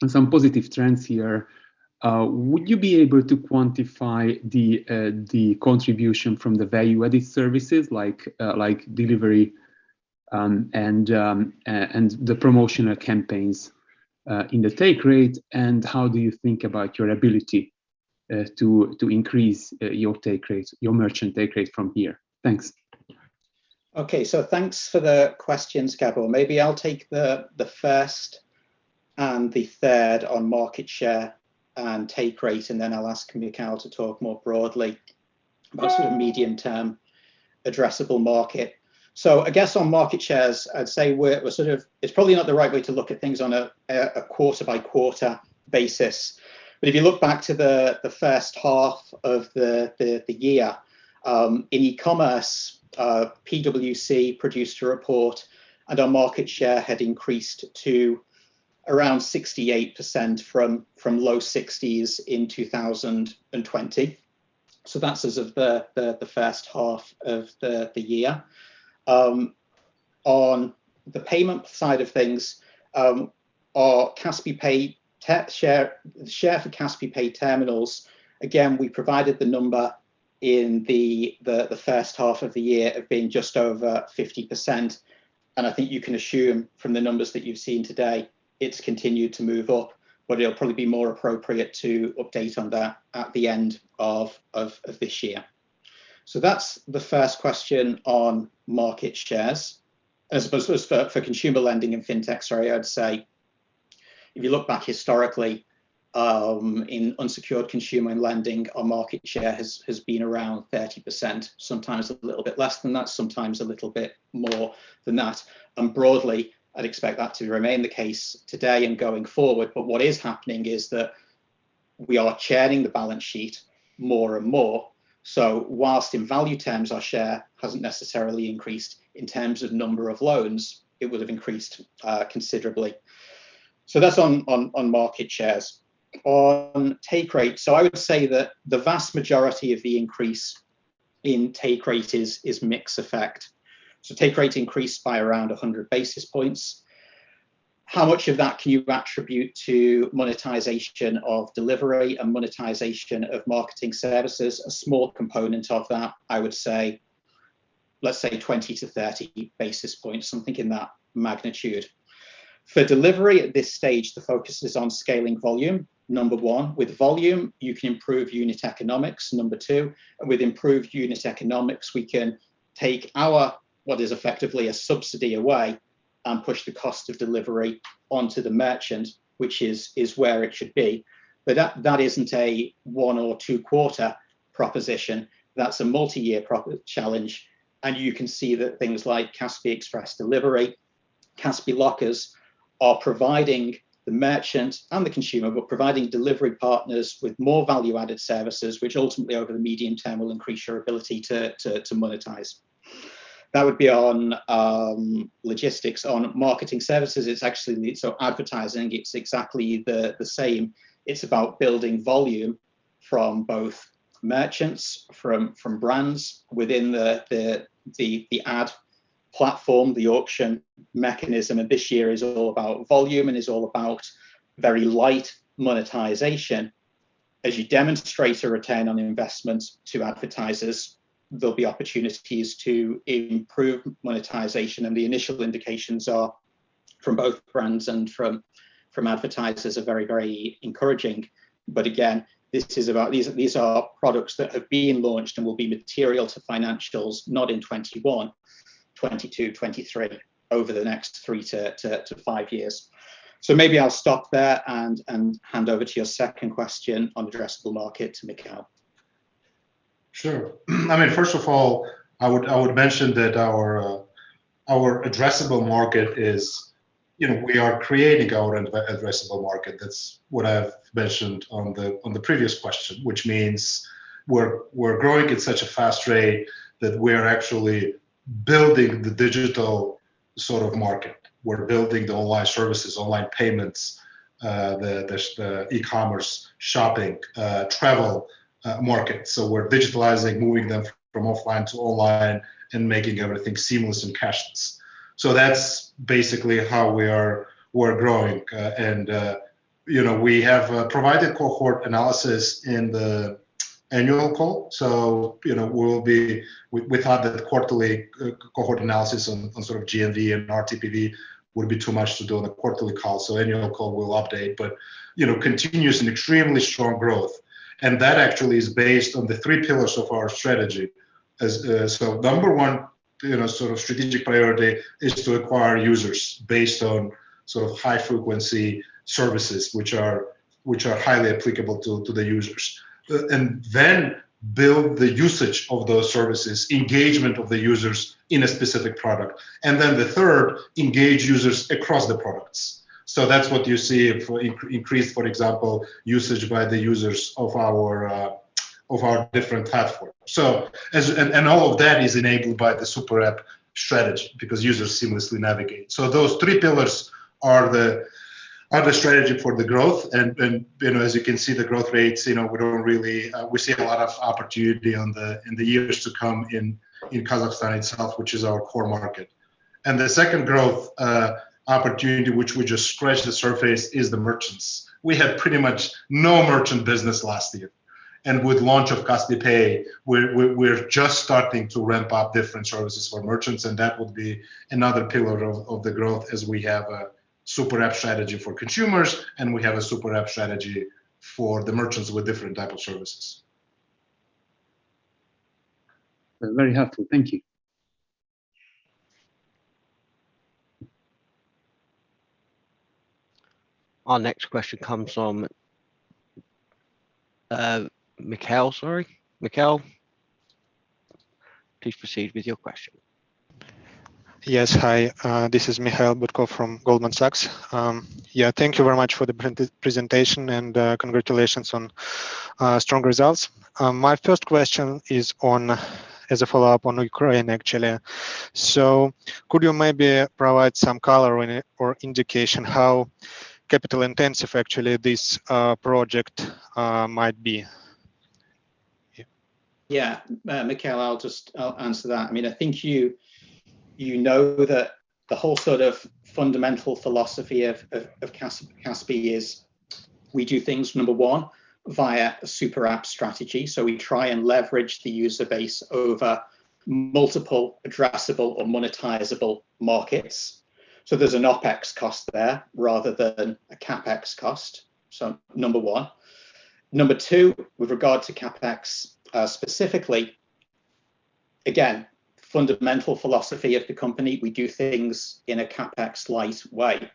and some positive trends here, would you be able to quantify the contribution from the value-added services, like delivery and the promotional campaigns in the take rate, and how do you think about your ability to increase your merchant take rate from here? Thanks. Okay. Thanks for the questions, Gabor. Maybe I'll take the first and the third on market share and take rate, and then I'll ask Mikheil to talk more broadly about sort of medium-term addressable market. I guess on market shares, I'd say it's probably not the right way to look at things on a quarter-by-quarter basis. If you look back to the first half of the year, in e-commerce, PwC produced a report, and our market share had increased to around 68% from low 60s in 2020. That's as of the first half of the year. On the payment side of things, share for Kaspi Pay terminals, again, we provided the number in the first half of the year of being just over 50%. I think you can assume from the numbers that you've seen today, it's continued to move up. It'll probably be more appropriate to update on that at the end of this year. That's the first question on market shares. As for consumer lending and fintech, sorry, I'd say if you look back historically, in unsecured consumer lending, our market share has been around 30%, sometimes a little bit less than that, sometimes a little bit more than that. Broadly, I'd expect that to remain the case today and going forward. What is happening is that we are churning the balance sheet more and more. Whilst in value terms our share hasn't necessarily increased, in terms of number of loans, it will have increased considerably. That's on market shares. On take rate, I would say that the vast majority of the increase in take rate is mix effect. Take rate increased by around 100 basis points. How much of that can you attribute to monetization of delivery and monetization of marketing services? A small component of that, I would say, let's say 20 to 30 basis points, something in that magnitude. For delivery at this stage, the focus is on scaling volume, number one. With volume, you can improve unit economics, number two. With improved unit economics, we can take our, what is effectively a subsidy away, and push the cost of delivery onto the merchant, which is where it should be. That isn't a one or two-quarter proposition. That's a multi-year challenge. You can see that things like Kaspi Express delivery, Kaspi Lockers are providing the merchant and the consumer, but providing delivery partners with more value-added services, which ultimately over the medium term will increase your ability to monetize. That would be on logistics. On marketing services, advertising, it's exactly the same. It's about building volume from both merchants, from brands within the ad platform, the auction mechanism. This year is all about volume and is all about very light monetization. As you demonstrate a return on investments to advertisers, there'll be opportunities to improve monetization, and the initial indications are from both brands and from advertisers are very encouraging. Again, these are products that have been launched and will be material to financials, not in 2021, 2022, 2023, over the next three to five years. Maybe I'll stop there and hand over to your second question on addressable market to Mikheil. Sure. First of all, I would mention that our addressable market is we are creating our addressable market. That's what I've mentioned on the previous question, which means we're growing at such a fast rate that we're actually building the digital sort of market. We're building the online services, online payments, the e-commerce, shopping, travel market. We're digitalizing, moving them from offline to online and making everything seamless and cashless. That's basically how we're growing. We have provided cohort analysis in the annual call. We thought that the quarterly cohort analysis on sort of GMV and RTPV would be too much to do on a quarterly call. Annual call we'll update. Continuous and extremely strong growth, and that actually is based on the three pillars of our strategy. Number one sort of strategic priority is to acquire users based on sort of high-frequency services, which are highly applicable to the users. Build the usage of those services, engagement of the users in a specific product. The third, engage users across the products. That's what you see increased, for example, usage by the users of our different platforms. All of that is enabled by the Super App strategy because users seamlessly navigate. Those three pillars are the strategy for the growth. As you can see, the growth rates, we see a lot of opportunity in the years to come in Kazakhstan itself, which is our core market. The second growth opportunity, which we just scratched the surface, is the merchants. We had pretty much no merchant business last year. With launch of Kaspi Pay, we're just starting to ramp up different services for merchants, and that would be another pillar of the growth as we have a Super App strategy for consumers, and we have a Super App strategy for the merchants with different type of services. Very helpful. Thank you. Our next question comes from Mikhail. Sorry. Mikhail, please proceed with your question. Yes. Hi, this is Mikhail Butkov from Goldman Sachs. Thank you very much for the presentation, and congratulations on strong results. My first question is as a follow-up on Ukraine, actually. Could you maybe provide some color or indication how capital-intensive actually this project might be? Yeah. Mikhail, I'll answer that. I think you know that the whole sort of fundamental philosophy of Kaspi is we do things, number one, via a Super App strategy. We try and leverage the user base over multiple addressable or monetizable markets. There's an OPEX cost there rather than a CapEx cost. Number one. Number two, with regard to CapEx specifically, again, fundamental philosophy of the company, we do things in a CapEx-light way.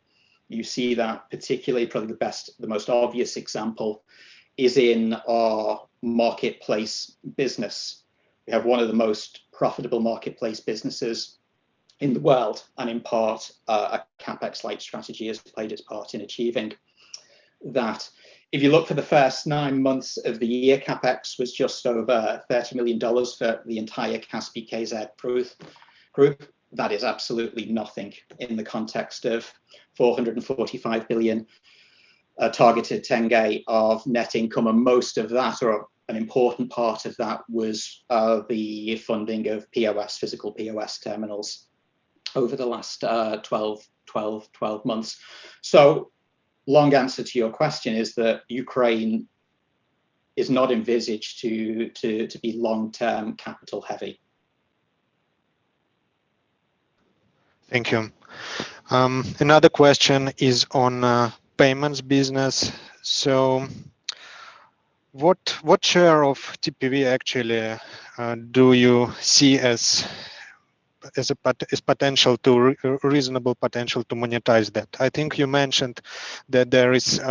You see that particularly, probably the most obvious example is in our marketplace business. We have one of the most profitable marketplace businesses in the world, and in part, a CapEx-light strategy has played its part in achieving that. If you look for the first nine months of the year, CapEx was just over $30 million for the entire Kaspi.kz group. That is absolutely nothing in the context of KZT 445 billion targeted of net income, and most of that, or an important part of that, was the funding of physical POS terminals over the last 12 months. Long answer to your question is that Ukraine is not envisaged to be long-term capital heavy. Thank you. Another question is on payments business. What share of TPV actually do you see as reasonable potential to monetize that? I think you mentioned that there is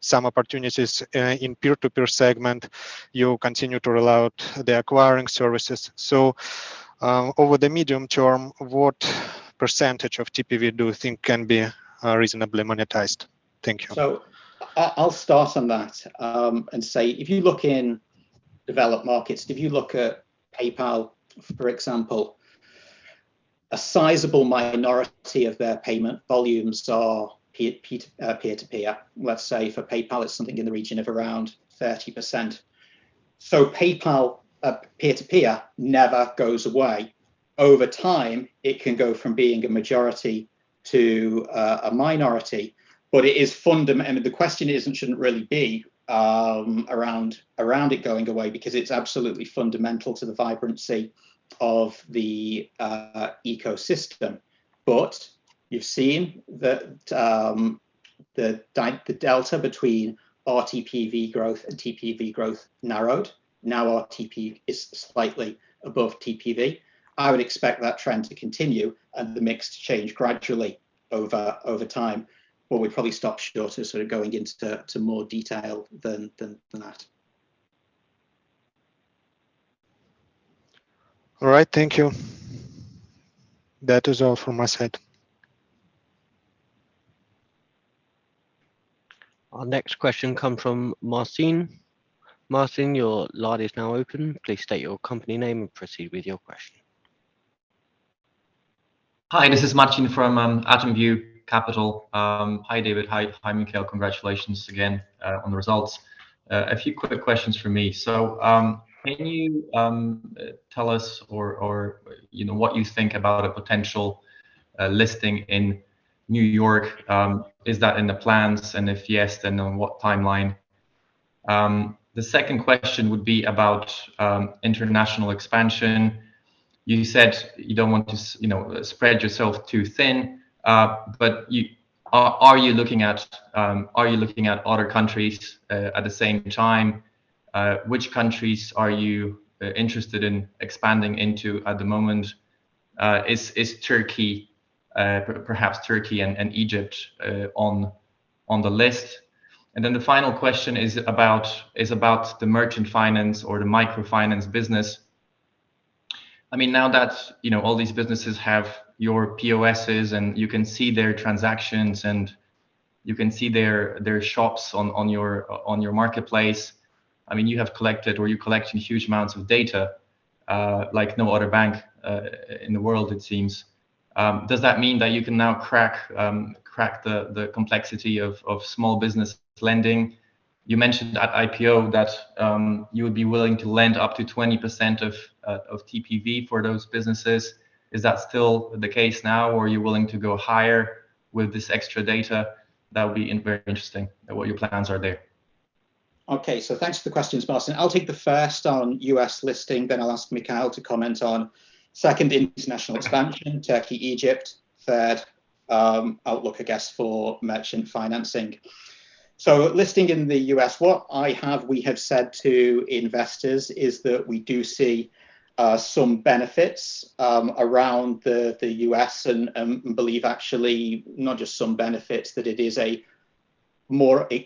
some opportunities in peer-to-peer segment. You continue to roll out the acquiring services. Over the medium term, what percentage of TPV do you think can be reasonably monetized? Thank you. I'll start on that and say if you look in developed markets, if you look at PayPal, for example, a sizable minority of their payment volumes are peer-to-peer. Let's say for PayPal, it's something in the region of around 30%. PayPal peer-to-peer never goes away. Over time, it can go from being a majority to a minority. The question shouldn't really be around it going away because it's absolutely fundamental to the vibrancy of the ecosystem. You've seen that the delta between RTPV growth and TPV growth narrowed. Now RTPV is slightly above TPV. I would expect that trend to continue and the mix to change gradually over time, but we'd probably stop short of sort of going into more detail than that. All right. Thank you. That is all from my side. Our next question come from Martin. Martin, your line is now open. Please state your company name and proceed with your question. Hi, this is Martin from AtomView Capital. Hi, David. Hi, Mikhail. Congratulations again on the results. A few quick questions from me. Can you tell us what you think about a potential listing in New York? Is that in the plans? If yes, on what timeline? The second question would be about international expansion. You said you don't want to spread yourself too thin. Are you looking at other countries at the same time? Which countries are you interested in expanding into at the moment? Is perhaps Turkey and Egypt on the list? The final question is about the merchant finance or the microfinance business. Now that all these businesses have your POSs and you can see their transactions and you can see their shops on your marketplace. You have collected, or you're collecting huge amounts of data, like no other bank in the world, it seems. Does that mean that you can now crack the complexity of small business lending? You mentioned at IPO that you would be willing to lend up to 20% of TPV for those businesses. Is that still the case now, or are you willing to go higher with this extra data? That would be very interesting what your plans are there. Okay. Thanks for the questions, Martin. I'll take the first on U.S. listing, then I'll ask Mikheil to comment on second international expansion, Turkey, Egypt. Third, outlook, I guess, for merchant financing. Listing in the U.S., what we have said to investors is that we do see some benefits around the U.S. and believe actually not just some benefits, that it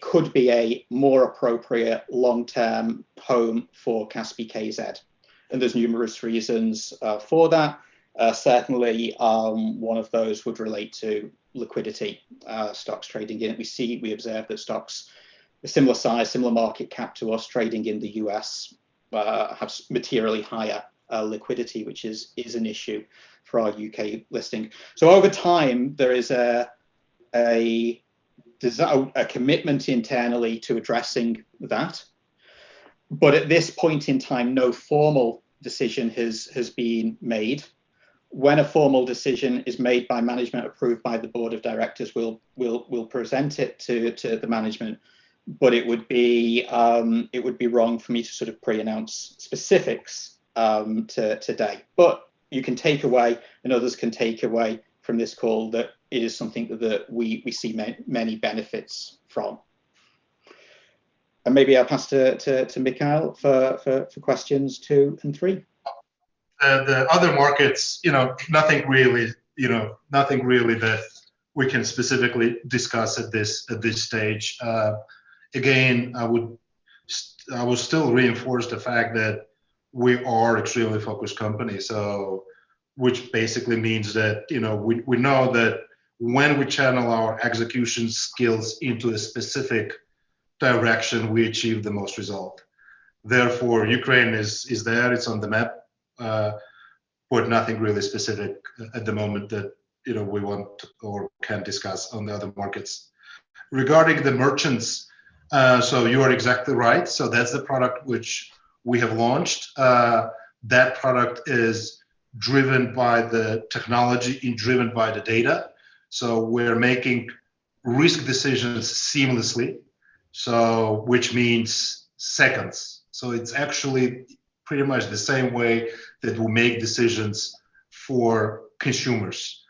could be a more appropriate long-term home for Kaspi.kz. There's numerous reasons for that. Certainly, one of those would relate to liquidity, stocks trading in it. We observe that stocks a similar size, similar market cap to us trading in the U.S., have materially higher liquidity, which is an issue for our U.K. listing. Over time, there is a commitment internally to addressing that. At this point in time, no formal decision has been made. When a formal decision is made by management, approved by the board of directors, we'll present it to the management, but it would be wrong for me to pre-announce specifics today. You can take away, and others can take away from this call that it is something that we see many benefits from. Maybe I'll pass to Mikheil for questions two and three. The other markets, nothing really that we can specifically discuss at this stage. Again, I would still reinforce the fact that we are extremely focused company. Which basically means that we know that when we channel our execution skills into a specific direction, we achieve the most result. Therefore, Ukraine is there, it's on the map, but nothing really specific at the moment that we want or can discuss on the other markets. Regarding the merchants, you are exactly right. That's the product which we have launched. That product is driven by the technology and driven by the data. We're making risk decisions seamlessly, so which means seconds. It's actually pretty much the same way that we make decisions for consumers.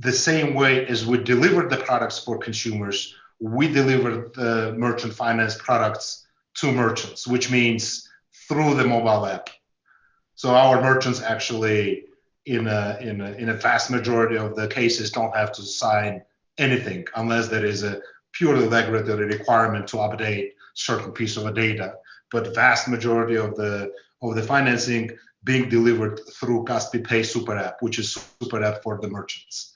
The same way as we deliver the products for consumers, we deliver the merchant finance products to merchants, which means through the mobile app. Our merchants actually, in a vast majority of the cases, don't have to sign anything unless there is a purely regulatory requirement to update certain piece of data. Vast majority of the financing being delivered through Kaspi Pay Super App, which is super app for the merchants.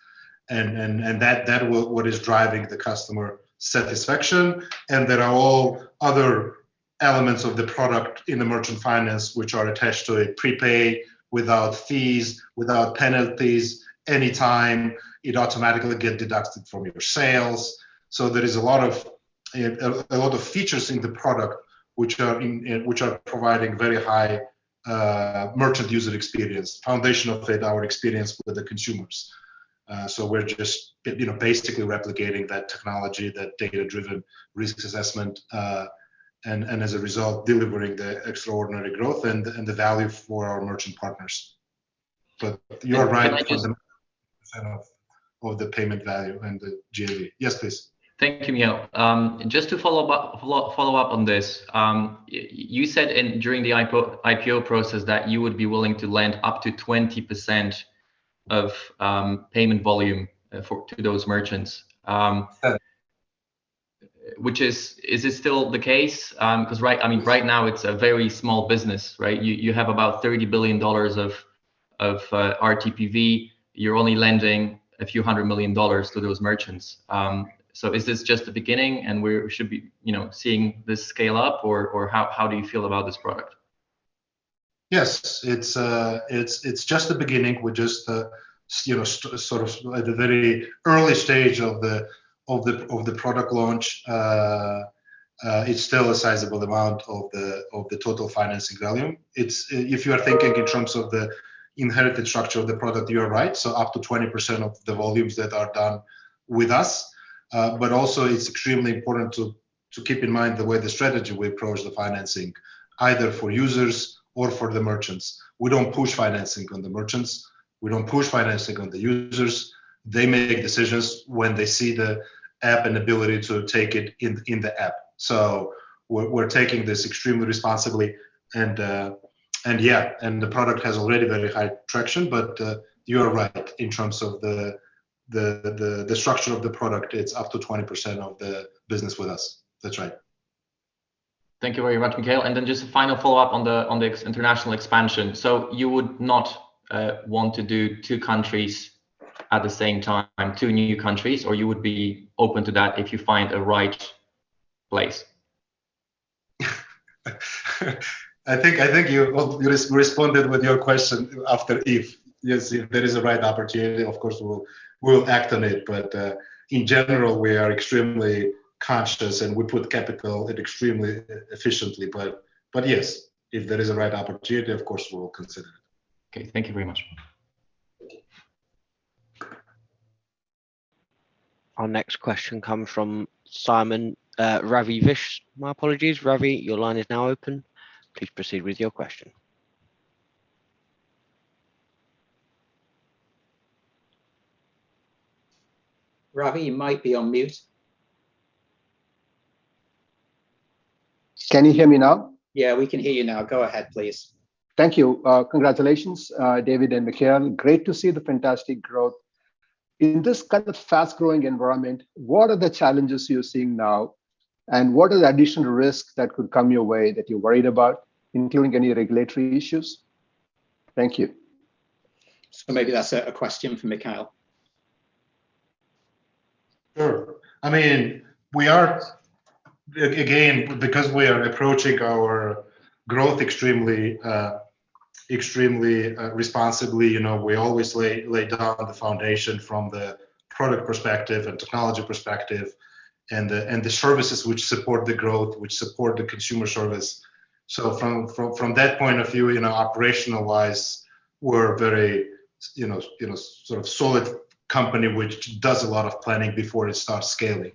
That what is driving the customer satisfaction. There are all other elements of the product in the merchant finance which are attached to it, prepaid without fees, without penalties, any time. It automatically get deducted from your sales. There is a lot of features in the product which are providing very high merchant user experience, foundational to our experience with the consumers. We're just basically replicating that technology, that data-driven risk assessment, and as a result, delivering the extraordinary growth and the value for our merchant partners. You're right. And can I just- of the payment value and the GAV. Yes, please. Thank you, Mikheil. Just to follow up on this, you said during the IPO process that you would be willing to lend up to 20% of payment volume to those merchants. Yes. Is this still the case? Right now it's a very small business, right? You have about KZT 30 billion of RTPV. You're only lending KZT few hundred million to those merchants. Is this just the beginning, and we should be seeing this scale up, or how do you feel about this product? Yes. It's just the beginning. We're just at the very early stage of the product launch. It's still a sizable amount of the total financing volume. If you are thinking in terms of the inherited structure of the product, you are right. Up to 20% of the volumes that are done with us. Also it's extremely important to keep in mind the way the strategy we approach the financing, either for users or for the merchants. We don't push financing on the merchants. We don't push financing on the users. They make decisions when they see the app and ability to take it in the app. We're taking this extremely responsibly, and yeah, the product has already very high traction, but you are right in terms of the structure of the product. It's up to 20% of the business with us. That's right. Thank you very much, Mikhail. Just a final follow-up on the international expansion. You would not want to do two countries at the same time, two new countries, or you would be open to that if you find a right place? I think you responded with your question after if. Yes, if there is a right opportunity, of course, we'll act on it. In general, we are extremely conscious, and we put capital in extremely efficiently. Yes, if there is a right opportunity, of course, we'll consider it. Okay. Thank you very much. Our next question comes from Simon, Ravi Vish. My apologies. Ravi, your line is now open. Please proceed with your question. Ravi, you might be on mute. Can you hear me now? Yeah, we can hear you now. Go ahead, please. Thank you. Congratulations, David and Mikheil. Great to see the fantastic growth. In this kind of fast-growing environment, what are the challenges you're seeing now, and what are the additional risks that could come your way that you're worried about, including any regulatory issues? Thank you. Maybe that's a question for Mikheil. Because we are approaching our growth extremely responsibly, we always lay down the foundation from the product perspective and technology perspective and the services which support the growth, which support the consumer service. From that point of view, operational-wise, we're a very solid company which does a lot of planning before it starts scaling.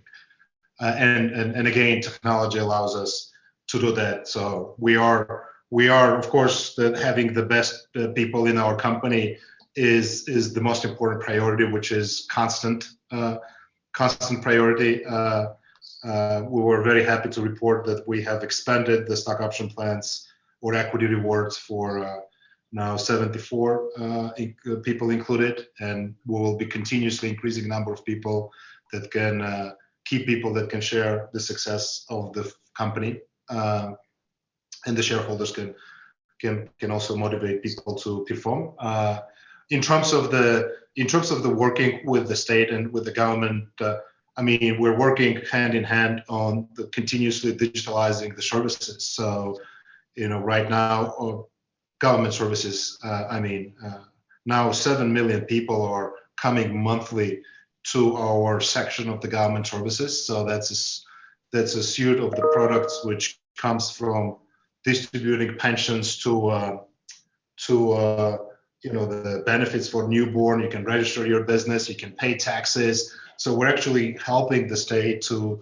Again, technology allows us to do that. We are, of course, having the best people in our company is the most important priority, which is a constant priority. We were very happy to report that we have expanded the stock option plans or equity rewards for now 74 people included, and we will be continuously increasing the number of people that can share the success of the company. The shareholders can also motivate people to perform. In terms of the working with the state and with the government, we're working hand in hand on continuously digitalizing the services. Right now, government services, now 7 million people are coming monthly to our section of the government services. That's a suite of the products which comes from distributing pensions to the benefits for newborn. You can register your business. You can pay taxes. We're actually helping the state to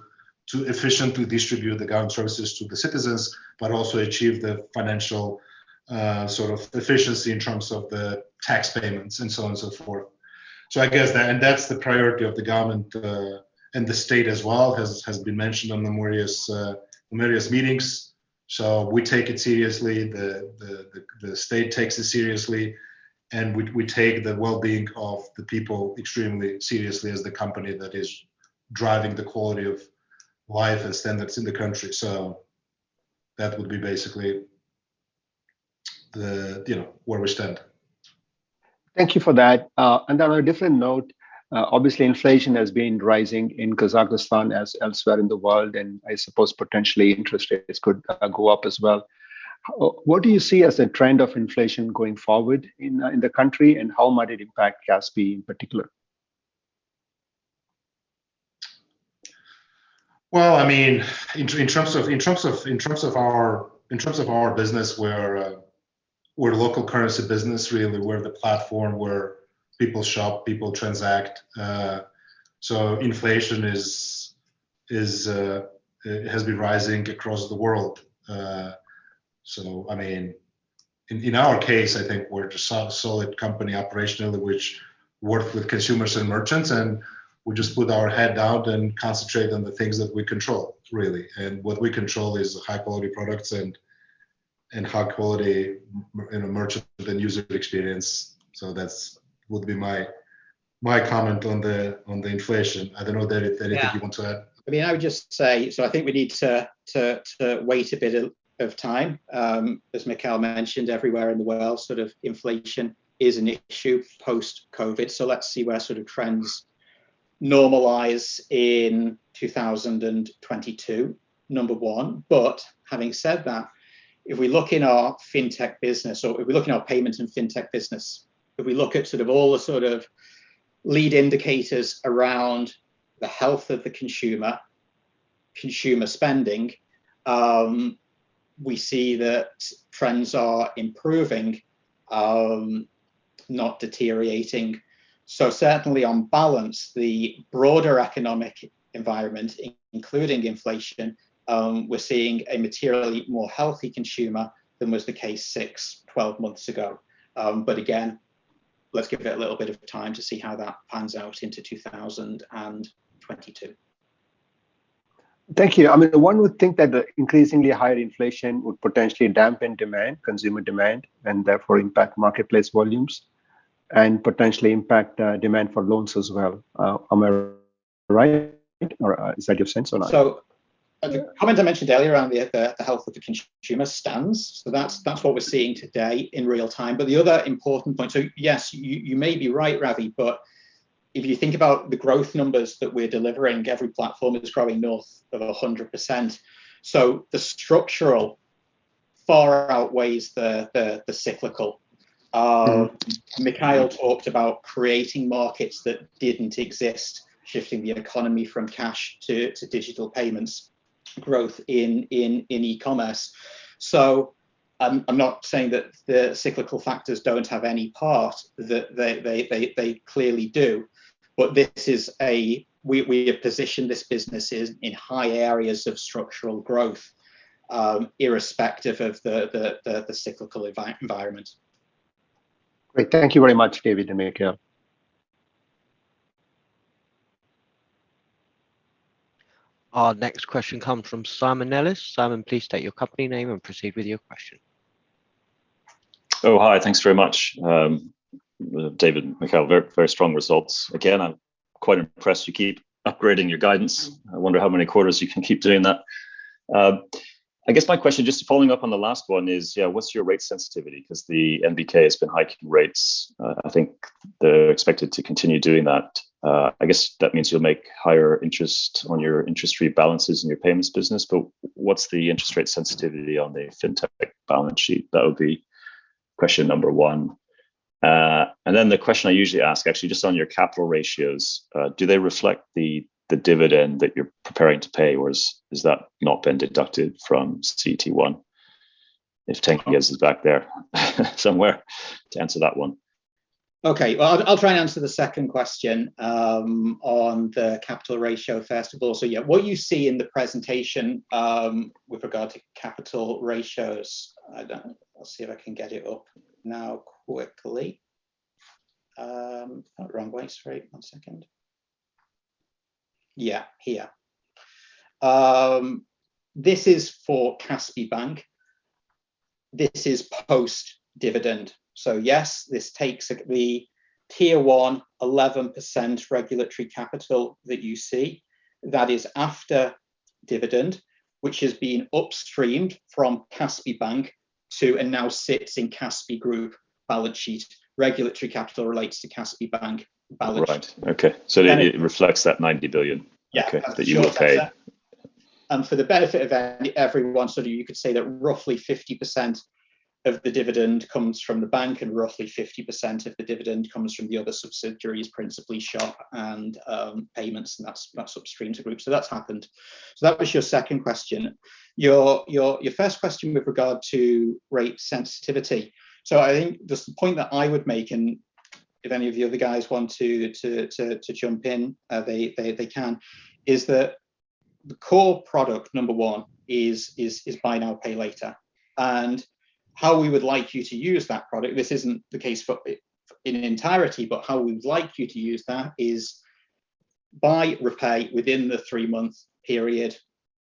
efficiently distribute the government services to the citizens, but also achieve the financial efficiency in terms of the tax payments and so on and so forth. I guess that's the priority of the government and the state as well, has been mentioned on numerous meetings. We take it seriously. The state takes it seriously, and we take the well-being of the people extremely seriously as the company that is driving the quality of life and standards in the country. That would be basically where we stand. Thank you for that. On a different note, obviously inflation has been rising in Kazakhstan as elsewhere in the world, and I suppose potentially interest rates could go up as well. What do you see as a trend of inflation going forward in the country, and how might it impact Kaspi in particular? Well, in terms of our business, we're a local currency business, really. We're the platform where people shop, people transact. Inflation has been rising across the world. In our case, I think we're a solid company operationally which works with consumers and merchants, and we just put our head down and concentrate on the things that we control, really. What we control is high-quality products and high quality in a merchant and user experience. That would be my comment on the inflation. I don't know, David, if you want to add. Yeah. I would just say, so I think we need to wait a bit of time. As Mikheil mentioned, everywhere in the world, inflation is an issue post-COVID. Let's see where trends normalize in 2022, number one. Having said that, if we look in our fintech business or if we look in our payments and fintech business, if we look at all the lead indicators around the health of the consumer spending, we see that trends are improving, not deteriorating. Certainly on balance, the broader economic environment, including inflation, we're seeing a materially more healthy consumer than was the case six, 12 months ago. Again, let's give it a little bit of time to see how that pans out into 2022. Thank you. One would think that the increasingly higher inflation would potentially dampen consumer demand, and therefore impact marketplace volumes, and potentially impact demand for loans as well. Am I right, or is that your sense or not? The comment I mentioned earlier around the health of the consumer stands. That's what we're seeing today in real time. The other important point, yes, you may be right, Ravi, if you think about the growth numbers that we're delivering, every platform is growing north of 100%. The structural far outweighs the cyclical. Mikheil talked about creating markets that didn't exist, shifting the economy from cash to digital payments, growth in e-commerce. I'm not saying that the cyclical factors don't have any part. They clearly do. We have positioned this business in high areas of structural growth, irrespective of the cyclical environment. Great. Thank you very much, David and Mikheil. Our next question comes from Simon Ellis. Simon, please state your company name and proceed with your question. Oh, hi. Thanks very much, David and Mikheil. Very strong results. I'm quite impressed you keep upgrading your guidance. I wonder how many quarters you can keep doing that. I guess my question, just following up on the last one is, what's your rate sensitivity? The NBK has been hiking rates. I think they're expected to continue doing that. I guess that means you'll make higher interest on your interest rate balances and your payments business. What's the interest rate sensitivity on the fintech balance sheet? That would be question number one. The question I usually ask, actually, just on your capital ratios, do they reflect the dividend that you're preparing to pay, or has that not been deducted from CET1? If Tengiz is back there somewhere to answer that one. Okay. Well, I'll try and answer the second question on the capital ratio first of all. Yeah, what you see in the presentation with regard to capital ratios I'll see if I can get it up now quickly. Wrong way. Sorry, one second. Yeah. Here. This is for Kaspi Bank. This is post-dividend. Yes, this takes the tier 1 11% regulatory capital that you see. That is after dividend, which has been upstreamed from Kaspi Bank to, and now sits in Kaspi Group balance sheet. Regulatory capital relates to Kaspi Bank balance sheet. Right. Okay. It reflects that KZT 90 billion. Yeah. Okay, that you will pay. For the benefit of everyone, you could say that roughly 50% of the dividend comes from the bank and roughly 50% of the dividend comes from the other subsidiaries, principally Shop and Payments, and that's upstreamed to group. That's happened. That was your second question. Your first question with regard to rate sensitivity. I think the point that I would make, and if any of the other guys want to jump in, they can, is that the core product, number one, is buy now, pay later. How we would like you to use that product, this isn't the case in entirety, but how we would like you to use that is buy, repay within the three-month period,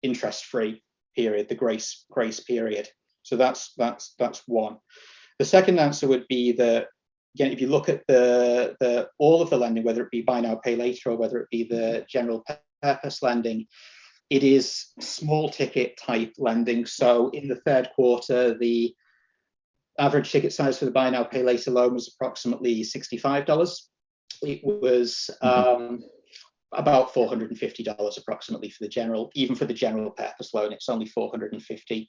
interest-free period, the grace period. That's one. The second answer would be that, again, if you look at all of the lending, whether it be buy now, pay later, or whether it be the general purpose lending, it is small ticket type lending. In the third quarter, the average ticket size for the buy now, pay later loan was approximately $65. It was about $450 approximately, even for the general purpose loan, it's only $450.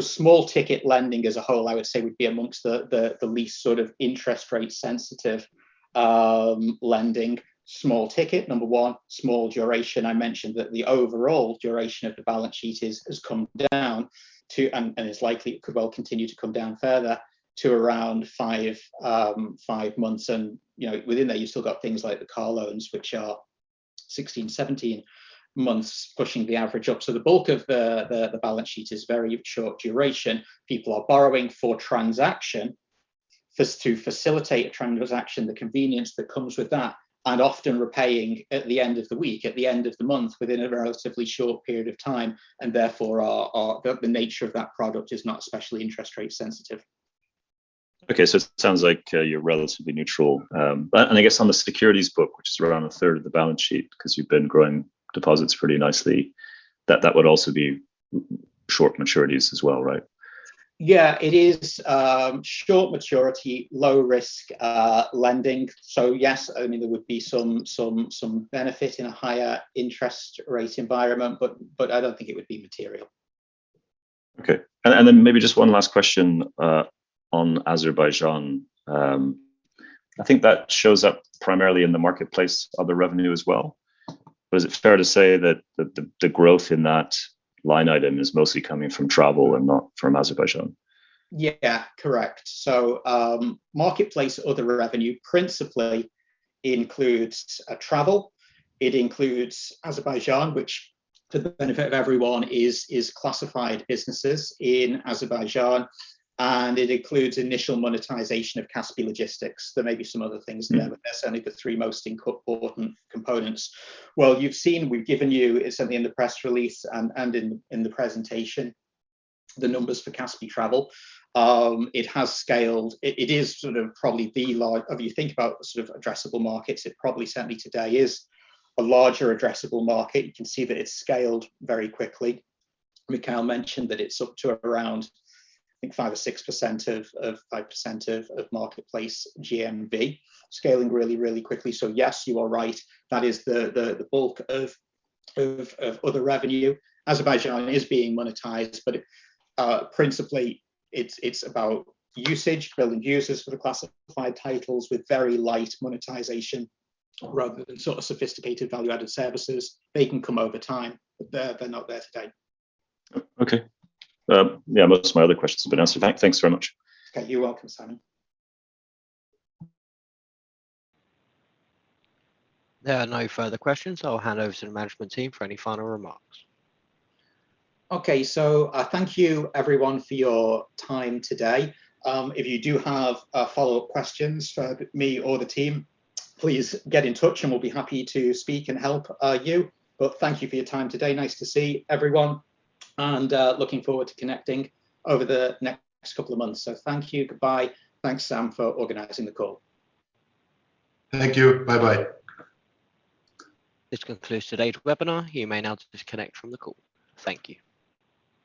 Small ticket lending as a whole, I would say, would be amongst the least interest rate sensitive lending. Small ticket, number one. Small duration. I mentioned that the overall duration of the balance sheet has come down, and it's likely it could well continue to come down further to around five months. Within that, you've still got things like the car loans, which are 16, 17 months pushing the average up. The bulk of the balance sheet is very short duration. People are borrowing for transaction, to facilitate a transaction, the convenience that comes with that, and often repaying at the end of the week, at the end of the month, within a relatively short period of time, and therefore, the nature of that product is not especially interest rate sensitive. Okay, it sounds like you're relatively neutral. I guess on the securities book, which is around a third of the balance sheet, because you've been growing deposits pretty nicely, that would also be short maturities as well, right? Yeah. It is short maturity, low risk lending. Yes, I mean, there would be some benefit in a higher interest rate environment, but I don't think it would be material. Okay. Maybe just one last question on Azerbaijan. I think that shows up primarily in the marketplace, other revenue as well. Is it fair to say that the growth in that line item is mostly coming from travel and not from Azerbaijan? Yeah. Correct. Marketplace other revenue principally includes travel, it includes Azerbaijan, which for the benefit of everyone is classified businesses in Azerbaijan, and it includes initial monetization of Kaspi Logistics. There may be some other things in there, but that's only the three most important components. Well, you've seen, we've given you, certainly in the press release and in the presentation, the numbers for Kaspi Travel. It has scaled. If you think about addressable markets, it probably certainly today is a larger addressable market. You can see that it's scaled very quickly. Mikheil mentioned that it's up to around, I think 5% of marketplace GMV, scaling really quickly. Yes, you are right, that is the bulk of other revenue. Azerbaijan is being monetized, but principally it's about usage, building users for the classified titles with very light monetization rather than sophisticated value-added services. They can come over time. They're not there today. Okay. Yeah, most of my other questions have been answered. Thanks very much. Okay, you're welcome, Simon. There are no further questions. I'll hand over to the management team for any final remarks. Thank you everyone for your time today. If you do have follow-up questions for me or the team, please get in touch and we'll be happy to speak and help you. Thank you for your time today. Nice to see everyone, and looking forward to connecting over the next couple of months. Thank you. Goodbye. Thanks, Sam, for organizing the call. Thank you. Bye bye. This concludes today's webinar. You may now disconnect from the call. Thank you.